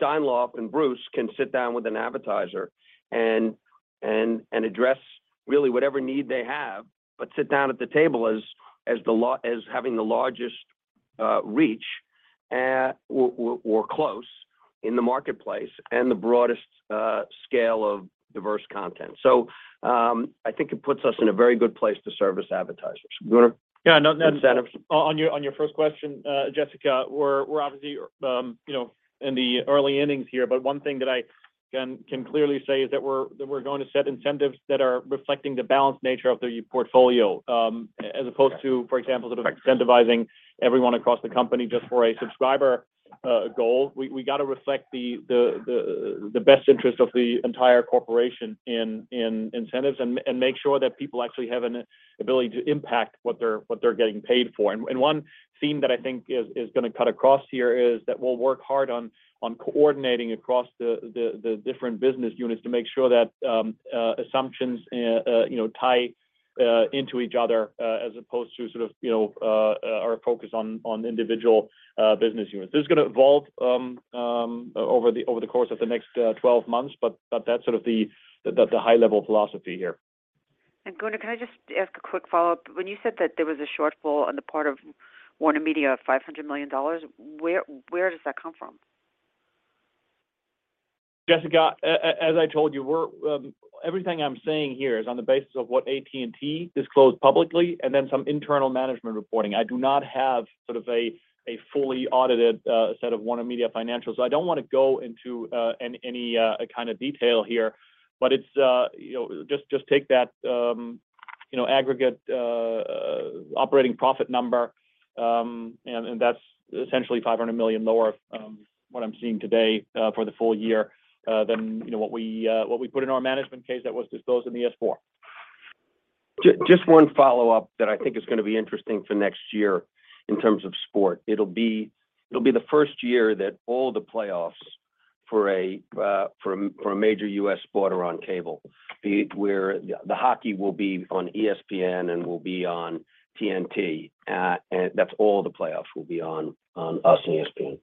Steinlauf and Bruce can sit down with an advertiser and address really whatever need they have, but sit down at the table as having the largest reach or closest in the marketplace and the broadest scale of diverse content. I think it puts us in a very good place to service advertisers. Gunnar? Yeah. No, on your first question, Jessica, we're obviously, you know, in the early innings here, but one thing that I can clearly say is that we're going to set incentives that are reflecting the balanced nature of the portfolio, as opposed to, for example, sort of incentivizing everyone across the company just for a subscriber goal. We gotta reflect the best interest of the entire corporation in incentives and make sure that people actually have an ability to impact what they're getting paid for. One theme that I think is gonna cut across here is that we'll work hard on coordinating across the different business units to make sure that assumptions you know tie into each other as opposed to sort of you know our focus on individual business units. This is gonna evolve over the course of the next 12 months, but that's sort of the high level philosophy here. Gunnar, can I just ask a quick follow-up? When you said that there was a shortfall on the part of WarnerMedia of $500 million, where does that come from? Jessica, as I told you, everything I'm saying here is on the basis of what AT&T disclosed publicly and then some internal management reporting. I do not have sort of a fully audited set of WarnerMedia financials. I don't wanna go into any kind of detail here. It's you know, just take that you know, aggregate operating profit number, and that's essentially $500 million lower, what I'm seeing today for the full year than you know, what we put in our management case that was disclosed in the S-4. Just one follow-up that I think is gonna be interesting for next year in terms of sports. It'll be the first year that all the playoffs for a major U.S. sport are on cable, where the hockey will be on ESPN, and we'll be on TNT. That's all the playoffs will be on us and ESPN.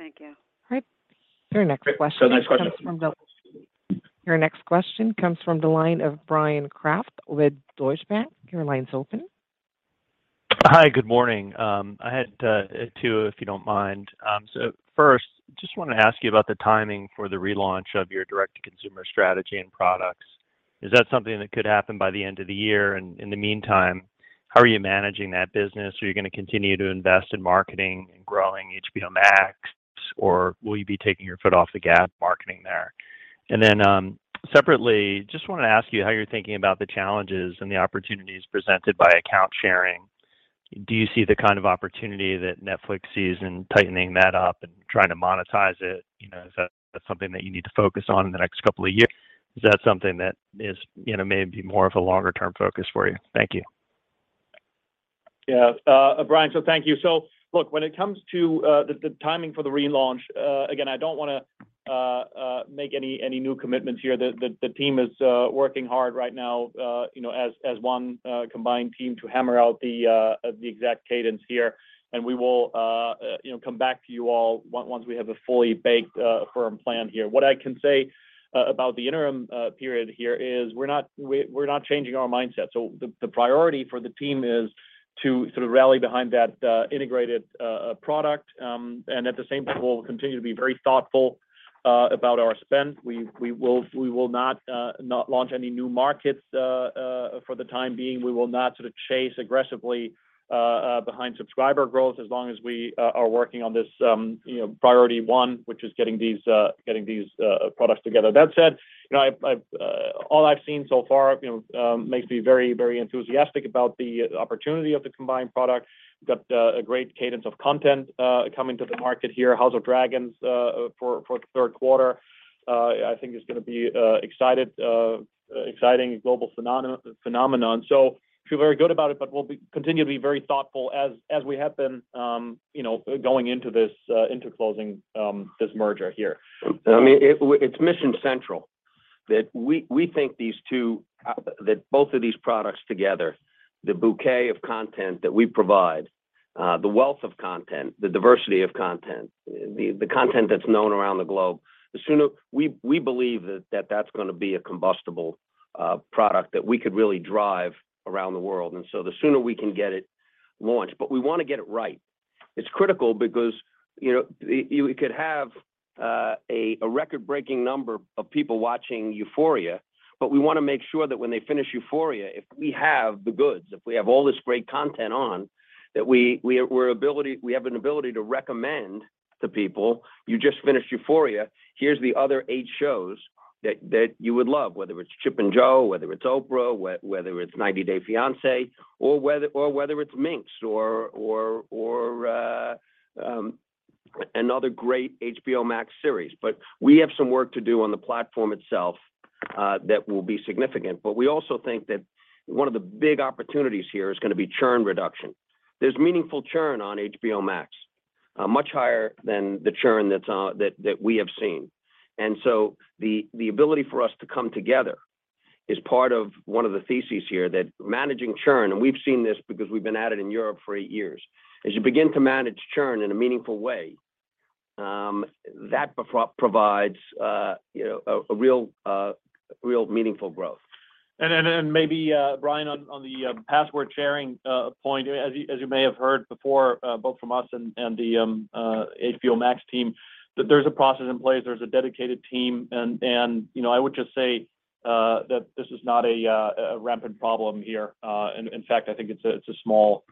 Thank you. All right. Your next question comes from Next question. Your next question comes from the line of Bryan Kraft with Deutsche Bank. Your line's open. Hi. Good morning. I had two if you don't mind. First, just wanna ask you about the timing for the relaunch of your direct to consumer strategy and products. Is that something that could happen by the end of the year? In the meantime, how are you managing that business? Are you gonna continue to invest in marketing and growing HBO Max, or will you be taking your foot off the gas marketing there? Separately, just wanna ask you how you're thinking about the challenges and the opportunities presented by account sharing. Do you see the kind of opportunity that Netflix sees in tightening that up and trying to monetize it? You know, is that something that you need to focus on in the next couple of years? Is that something that is, you know, maybe more of a longer term focus for you? Thank you. Yeah. Bryan, thank you. Look, when it comes to the timing for the relaunch, again, I don't wanna make any new commitments here. The team is working hard right now, you know, as one combined team to hammer out the exact cadence here. We will, you know, come back to you all once we have a fully baked firm plan here. What I can say about the interim period here is we're not changing our mindset. The priority for the team is to sort of rally behind that integrated product. At the same time, we'll continue to be very thoughtful about our spend. We will not launch any new markets for the time being. We will not sort of chase aggressively behind subscriber growth as long as we are working on this, you know, priority one, which is getting these products together. That said, you know, all I've seen so far, you know, makes me very, very enthusiastic about the opportunity of the combined product. Got a great cadence of content coming to the market here. House of the Dragon for the third quarter, I think is gonna be exciting global phenomenon. Feel very good about it, but we'll continually be very thoughtful as we have been, you know, going into closing this merger here. I mean, it's mission central that we think these two that both of these products together, the bouquet of content that we provide, the wealth of content, the diversity of content, the content that's known around the globe. The sooner we believe that that's gonna be a combustible product that we could really drive around the world. The sooner we can get it launched. We wanna get it right. It's critical because, you know, we could have a record-breaking number of people watching Euphoria, but we wanna make sure that when they finish Euphoria, if we have the goods, if we have all this great content on, that we have an ability to recommend to people, "You just finished Euphoria. Here's the other eight shows that you would love, whether it's Chip and Jo, whether it's Oprah, whether it's 90 Day Fiancé or whether it's Minx or another great HBO Max series. We have some work to do on the platform itself, that will be significant. We also think that one of the big opportunities here is gonna be churn reduction. There's meaningful churn on HBO Max, much higher than the churn that we have seen. The ability for us to come together is part of one of the theses here that managing churn, and we've seen this because we've been at it in Europe for eight years. As you begin to manage churn in a meaningful way, that provides a real meaningful growth. Maybe, Bryan, on the password sharing point, as you may have heard before, both from us and the HBO Max team, that there's a process in place, there's a dedicated team. You know, I would just say that this is not a rampant problem here. In fact, I think it's a small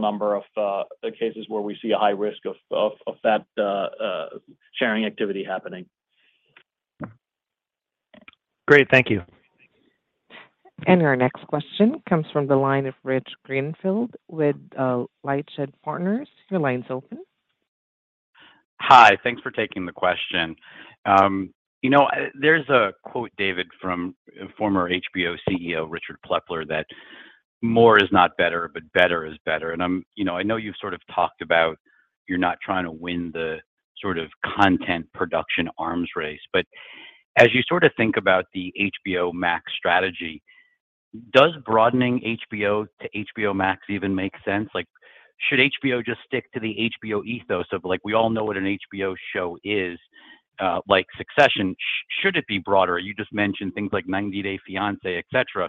number of cases where we see a high risk of that sharing activity happening. Great. Thank you. Our next question comes from the line of Rich Greenfield with LightShed Partners. Your line's open. Hi. Thanks for taking the question. You know, there's a quote, David, from former HBO CEO, Richard Plepler, that more is not better, but better is better. You know, I know you've sort of talked about you're not trying to win the sort of content production arms race. But as you sort of think about the HBO Max strategy, does broadening HBO to HBO Max even make sense? Like should HBO just stick to the HBO ethos of like we all know what an HBO show is, like Succession. Should it be broader? You just mentioned things like 90 Day Fiancé, etc.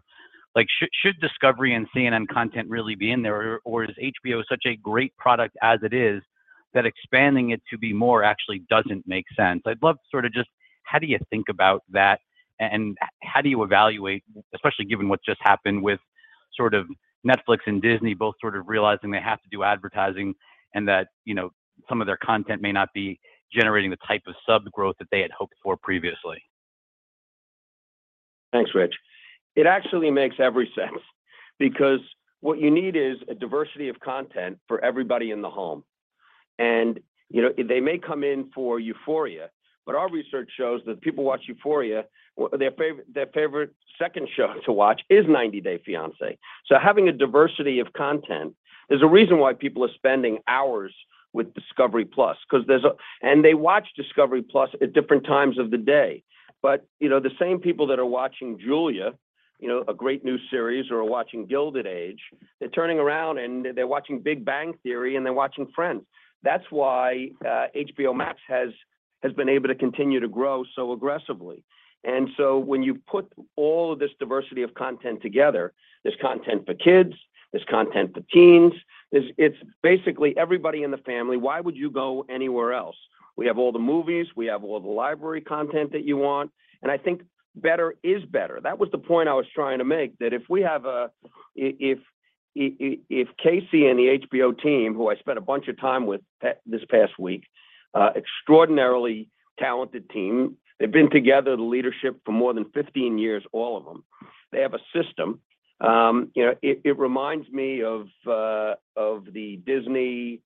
Like should Discovery and CNN content really be in there, or is HBO such a great product as it is that expanding it to be more actually doesn't make sense? I'd love sort of just how do you think about that and how do you evaluate, especially given what just happened with sort of Netflix and Disney both sort of realizing they have to do advertising and that, you know, some of their content may not be generating the type of sub growth that they had hoped for previously? Thanks, Rich. It actually makes perfect sense because what you need is a diversity of content for everybody in the home. You know, they may come in for Euphoria, but our research shows that people watch Euphoria, their favorite second show to watch is 90 Day Fiancé. Having a diversity of content, there's a reason why people are spending hours with discovery+. They watch Discovery+ at different times of the day. You know, the same people that are watching Julia, you know, a great new series, or are watching Gilded Age, they're turning around and they're watching Big Bang Theory and they're watching Friends. That's why HBO Max has been able to continue to grow so aggressively. When you put all of this diversity of content together, there's content for kids, there's content for teens, it's basically everybody in the family. Why would you go anywhere else? We have all the movies, we have all the library content that you want. I think better is better. That was the point I was trying to make, that if we have a if Casey and the HBO team, who I spent a bunch of time with this past week, extraordinarily talented team. They've been together, the leadership, for more than 15 years, all of them. They have a system. You know, it reminds me of of the Disney,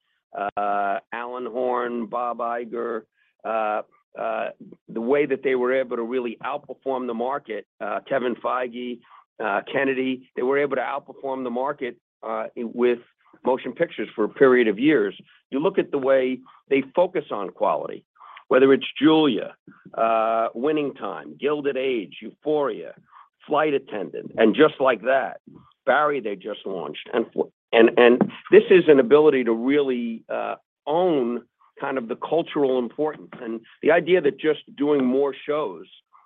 Alan Horn, Bob Iger, the way that they were able to really outperform the market, Kevin Feige, Kennedy, they were able to outperform the market with motion pictures for a period of years. You look at the way they focus on quality, whether it's Julia, Winning Time, Gilded Age, Euphoria, Flight Attendant, And Just Like That. Barry, they just launched. This is an ability to really own kind of the cultural importance and the idea that just doing more shows.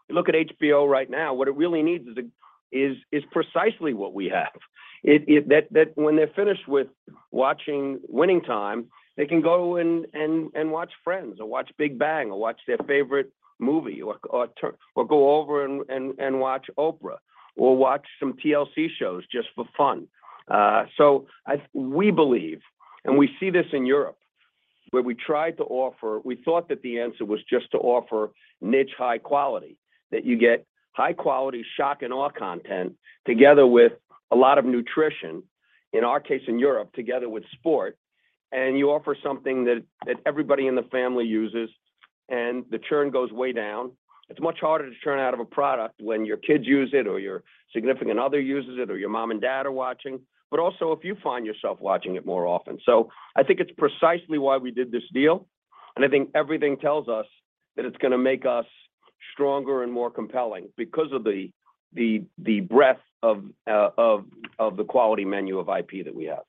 You look at HBO right now, what it really needs is precisely what we have. That when they're finished with watching Winning Time, they can go and watch Friends or watch The Big Bang Theory or watch their favorite movie or go over and watch Oprah or watch some TLC shows just for fun. We believe, and we see this in Europe, where we tried to offer. We thought that the answer was just to offer niche high quality. That you get high-quality shock-and-awe content together with a lot of nutrition, in our case, in Europe, together with sport, and you offer something that everybody in the family uses, and the churn goes way down. It's much harder to churn out of a product when your kids use it or your significant other uses it or your mom and dad are watching, but also if you find yourself watching it more often. I think it's precisely why we did this deal, and I think everything tells us that it's gonna make us stronger and more compelling because of the breadth of the quality menu of IP that we have.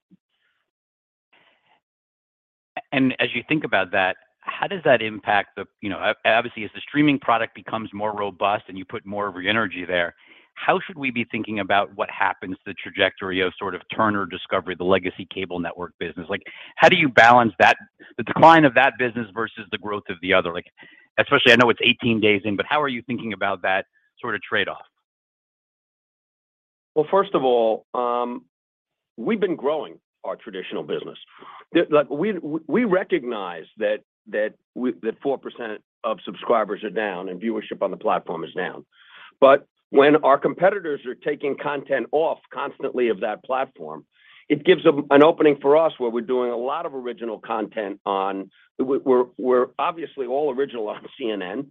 As you think about that, how does that impact the, you know, obviously, as the streaming product becomes more robust and you put more of your energy there, how should we be thinking about what happens, the trajectory of sort of Turner Discovery, the legacy cable network business? Like, how do you balance that, the decline of that business versus the growth of the other? Like, especially, I know it's 18 days in, but how are you thinking about that sort of trade-off? Well, first of all, we've been growing our traditional business. Like, we recognize that the 4% of subscribers are down and viewership on the platform is down. When our competitors are taking content off constantly of that platform, it gives an opening for us where we're doing a lot of original content. We're obviously all original on CNN.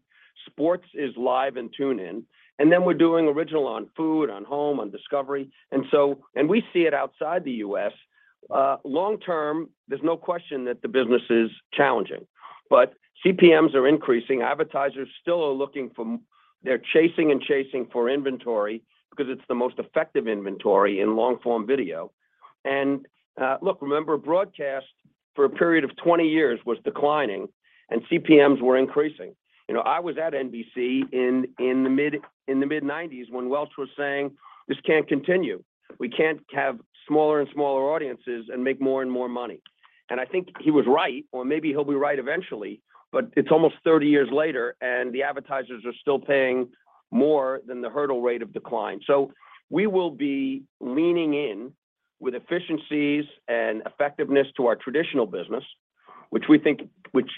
Sports is live and tune-in. Then we're doing original on food, on home, on discovery. We see it outside the U.S. Long term, there's no question that the business is challenging. CPMs are increasing. Advertisers still are looking. They're chasing and chasing for inventory because it's the most effective inventory in long-form video. Look, remember, broadcast for a period of 20 years was declining, and CPMs were increasing. You know, I was at NBC in the mid-1990s when Welch was saying, "This can't continue. We can't have smaller and smaller audiences and make more and more money." I think he was right, or maybe he'll be right eventually. It's almost 30 years later, and the advertisers are still paying more than the hurdle rate of decline. We will be leaning in with efficiencies and effectiveness to our traditional business, which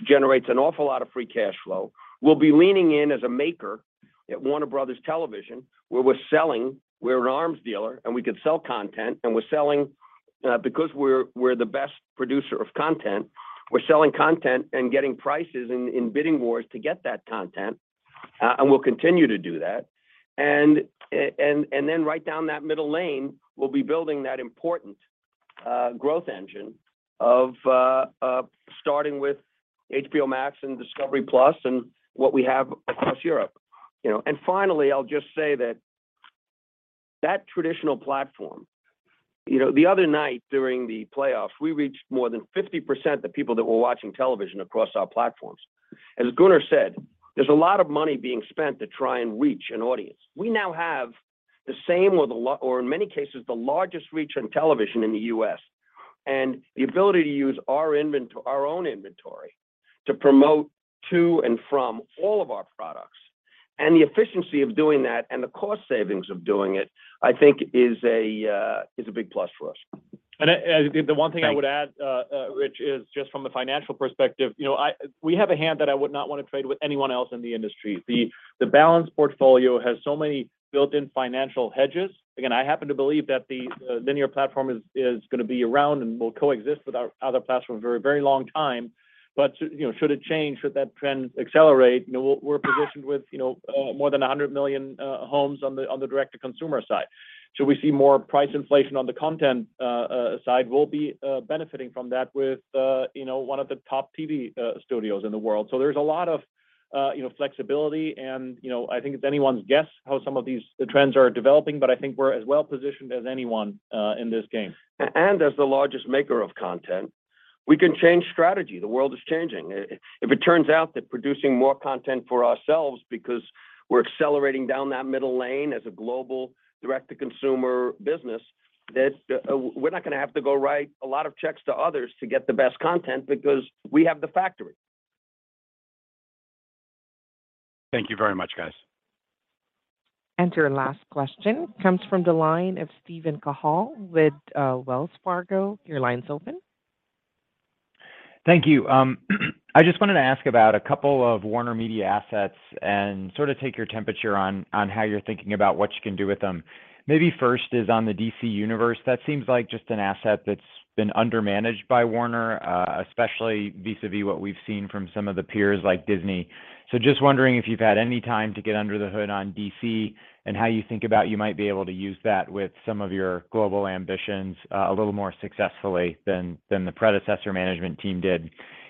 generates an awful lot of free cash flow. We'll be leaning in as a maker at Warner Bros. Television, where we're selling. We're an arms dealer, and we can sell content, and we're selling. Because we're the best producer of content, we're selling content and getting prices in bidding wars to get that content, and we'll continue to do that. Then right down that middle lane, we'll be building that important growth engine of starting with HBO Max and discovery+ and what we have across Europe. You know, finally, I'll just say that traditional platform. You know, the other night during the playoffs, we reached more than 50% of the people that were watching television across our platforms. As Gunnar said, there's a lot of money being spent to try and reach an audience. We now have the same or in many cases, the largest reach on television in the U.S., and the ability to use our own inventory to promote to and from all of our products, and the efficiency of doing that and the cost savings of doing that, I think is a big plus for us. The one thing I would add, Rich, is just from a financial perspective. You know, we have a hand that I would not wanna trade with anyone else in the industry. The balanced portfolio has so many built-in financial hedges. Again, I happen to believe that the linear platform is gonna be around and will coexist with our other platforms for a very long time. You know, should it change, should that trend accelerate, you know, we're positioned with, you know, more than 100 million homes on the direct-to-consumer side. Should we see more price inflation on the content side, we'll be benefiting from that with, you know, one of the top TV studios in the world. There's a lot of, you know, flexibility, and, you know, I think it's anyone's guess how some of these, the trends are developing. I think we're as well-positioned as anyone, in this game. As the largest maker of content, we can change strategy. The world is changing. If it turns out that producing more content for ourselves because we're accelerating down that middle lane as a global direct-to-consumer business, that we're not gonna have to go write a lot of checks to others to get the best content because we have the factory. Thank you very much, guys. Your last question comes from the line of Steven Cahall with Wells Fargo. Your line's open. Thank you. I just wanted to ask about a couple of WarnerMedia assets and sort of take your temperature on how you're thinking about what you can do with them. Maybe first is on the DC Universe. That seems like just an asset that's been undermanaged by Warner, especially vis-a-vis what we've seen from some of the peers like Disney. Just wondering if you've had any time to get under the hood on DC and how you think about you might be able to use that with some of your global ambitions a little more successfully than the predecessor management team did.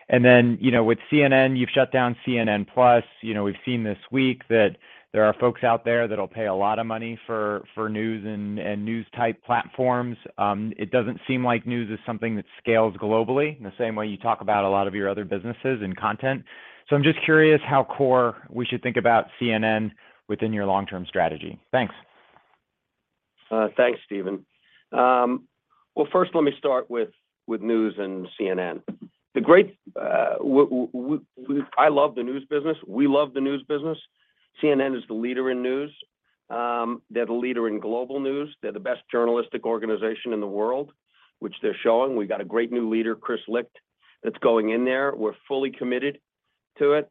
Then, you know, with CNN, you've shut down CNN+. You know, we've seen this week that there are folks out there that'll pay a lot of money for news and news-type platforms. It doesn't seem like news is something that scales globally in the same way you talk about a lot of your other businesses and content. I'm just curious how core we should think about CNN within your long-term strategy. Thanks. Thanks, Steven. Well, first let me start with news and CNN. I love the news business. We love the news business. CNN is the leader in news. They're the leader in global news. They're the best journalistic organization in the world, which they're showing. We got a great new leader, Chris Licht, that's going in there. We're fully committed to it.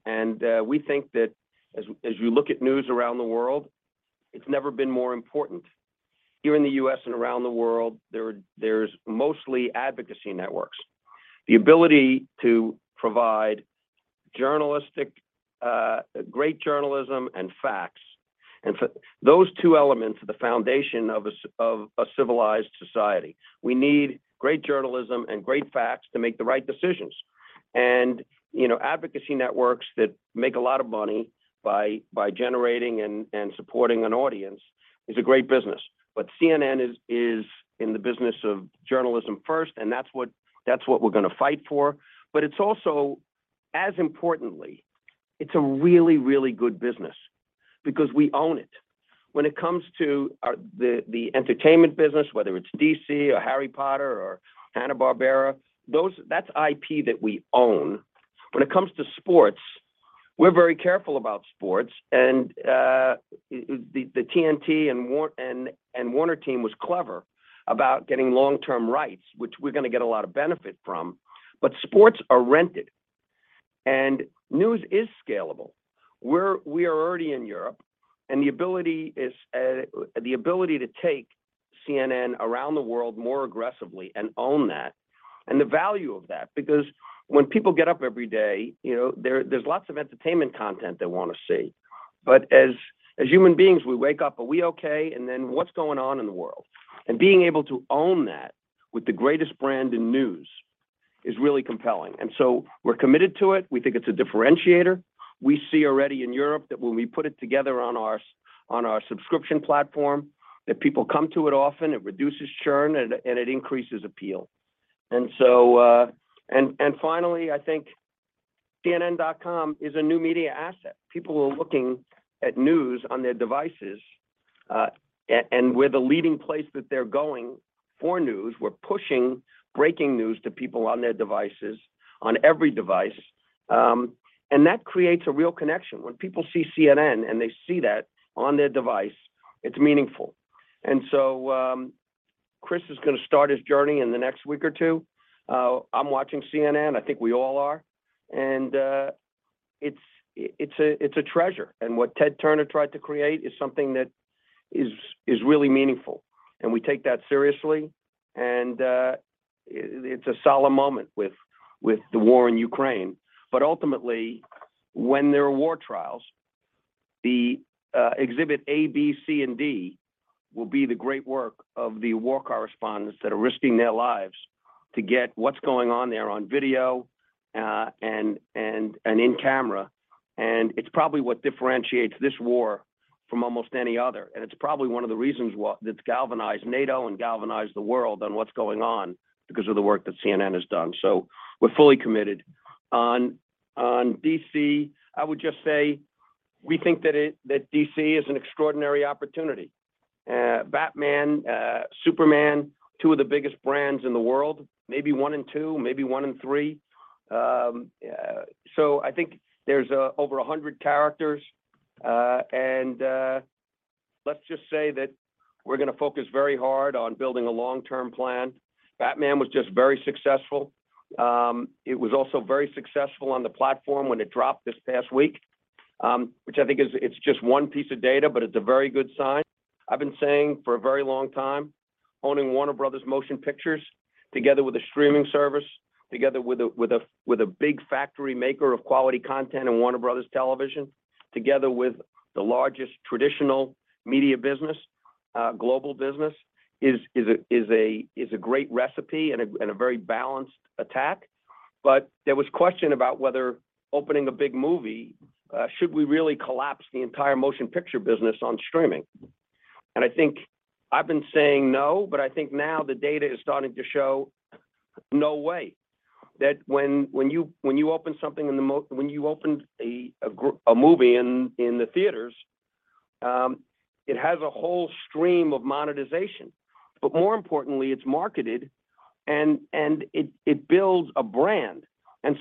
We think that as you look at news around the world, it's never been more important. Here in the U.S. and around the world, there are mostly advocacy networks. The ability to provide journalistic great journalism and facts. Those two elements are the foundation of a civilized society. We need great journalism and great facts to make the right decisions. You know, advocacy networks that make a lot of money by generating and supporting an audience is a great business. CNN is in the business of journalism first, and that's what we're gonna fight for. It's also as importantly it's a really good business because we own it. When it comes to the entertainment business, whether it's DC or Harry Potter or Hanna-Barbera, those that's IP that we own. When it comes to sports, we're very careful about sports and the TNT and Warner team was clever about getting long-term rights, which we're gonna get a lot of benefit from. Sports are rented and news is scalable. We are already in Europe, the ability to take CNN around the world more aggressively and own that and the value of that, because when people get up every day, you know, there's lots of entertainment content they wanna see. But as human beings, we wake up, are we okay? And then what's going on in the world? Being able to own that with the greatest brand in news is really compelling. We're committed to it. We think it's a differentiator. We see already in Europe that when we put it together on our subscription platform, that people come to it often, it reduces churn and it increases appeal. Finally, I think cnn.com is a new media asset. People are looking at news on their devices, and we're the leading place that they're going for news. We're pushing breaking news to people on their devices, on every device. That creates a real connection. When people see CNN and they see that on their device, it's meaningful. Chris is gonna start his journey in the next week or two. I'm watching CNN. I think we all are. It's a treasure. What Ted Turner tried to create is something that is really meaningful, and we take that seriously. It's a solemn moment with the war in Ukraine. Ultimately, when there are war trials, the exhibit A, B, C, and D will be the great work of the war correspondents that are risking their lives to get what's going on there on video, and in camera. It's probably what differentiates this war from almost any other. It's probably one of the reasons that's galvanized NATO and galvanized the world on what's going on because of the work that CNN has done. We're fully committed. On DC, I would just say we think that DC is an extraordinary opportunity. Batman, Superman, two of the biggest brands in the world, maybe one and two, maybe one and three. So I think there's over 100 characters, and let's just say that we're gonna focus very hard on building a long-term plan. Batman was just very successful. It was also very successful on the platform when it dropped this past week, which I think it's just one piece of data, but it's a very good sign. I've been saying for a very long time, owning Warner Bros. Pictures Group together with a streaming service, together with a big factory maker of quality content in Warner Bros. Television, together with the largest traditional media business, global business is a great recipe and a very balanced attack. There was question about whether opening a big movie should we really collapse the entire motion picture business on streaming? I think I've been saying no, but I think now the data is starting to show no way that when you open a movie in the theaters, it has a whole stream of monetization. More importantly, it's marketed and it builds a brand.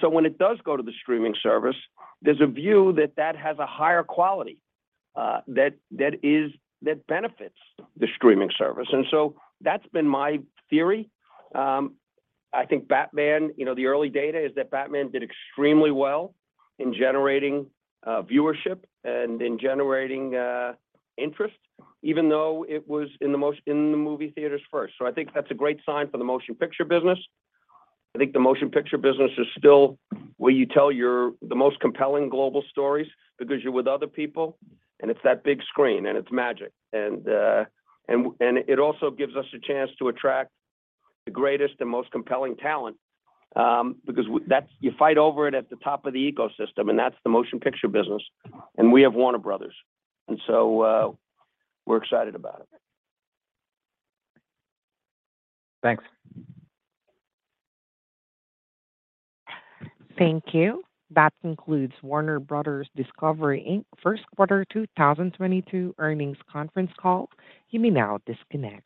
When it does go to the streaming service, there's a view that that has a higher quality that benefits the streaming service. That's been my theory. I think Batman, you know, the early data is that Batman did extremely well in generating viewership and in generating interest, even though it was in the movie theaters first. I think that's a great sign for the motion picture business. I think the motion picture business is still where you tell the most compelling global stories because you're with other people, and it's that big screen, and it's magic. It also gives us a chance to attract the greatest and most compelling talent, because you fight over it at the top of the ecosystem, and that's the motion picture business. We have Warner Bros. We're excited about it. Thanks. Thank you. That concludes Warner Bros. Discovery Inc.'s first quarter 2022 earnings conference call. You may now disconnect.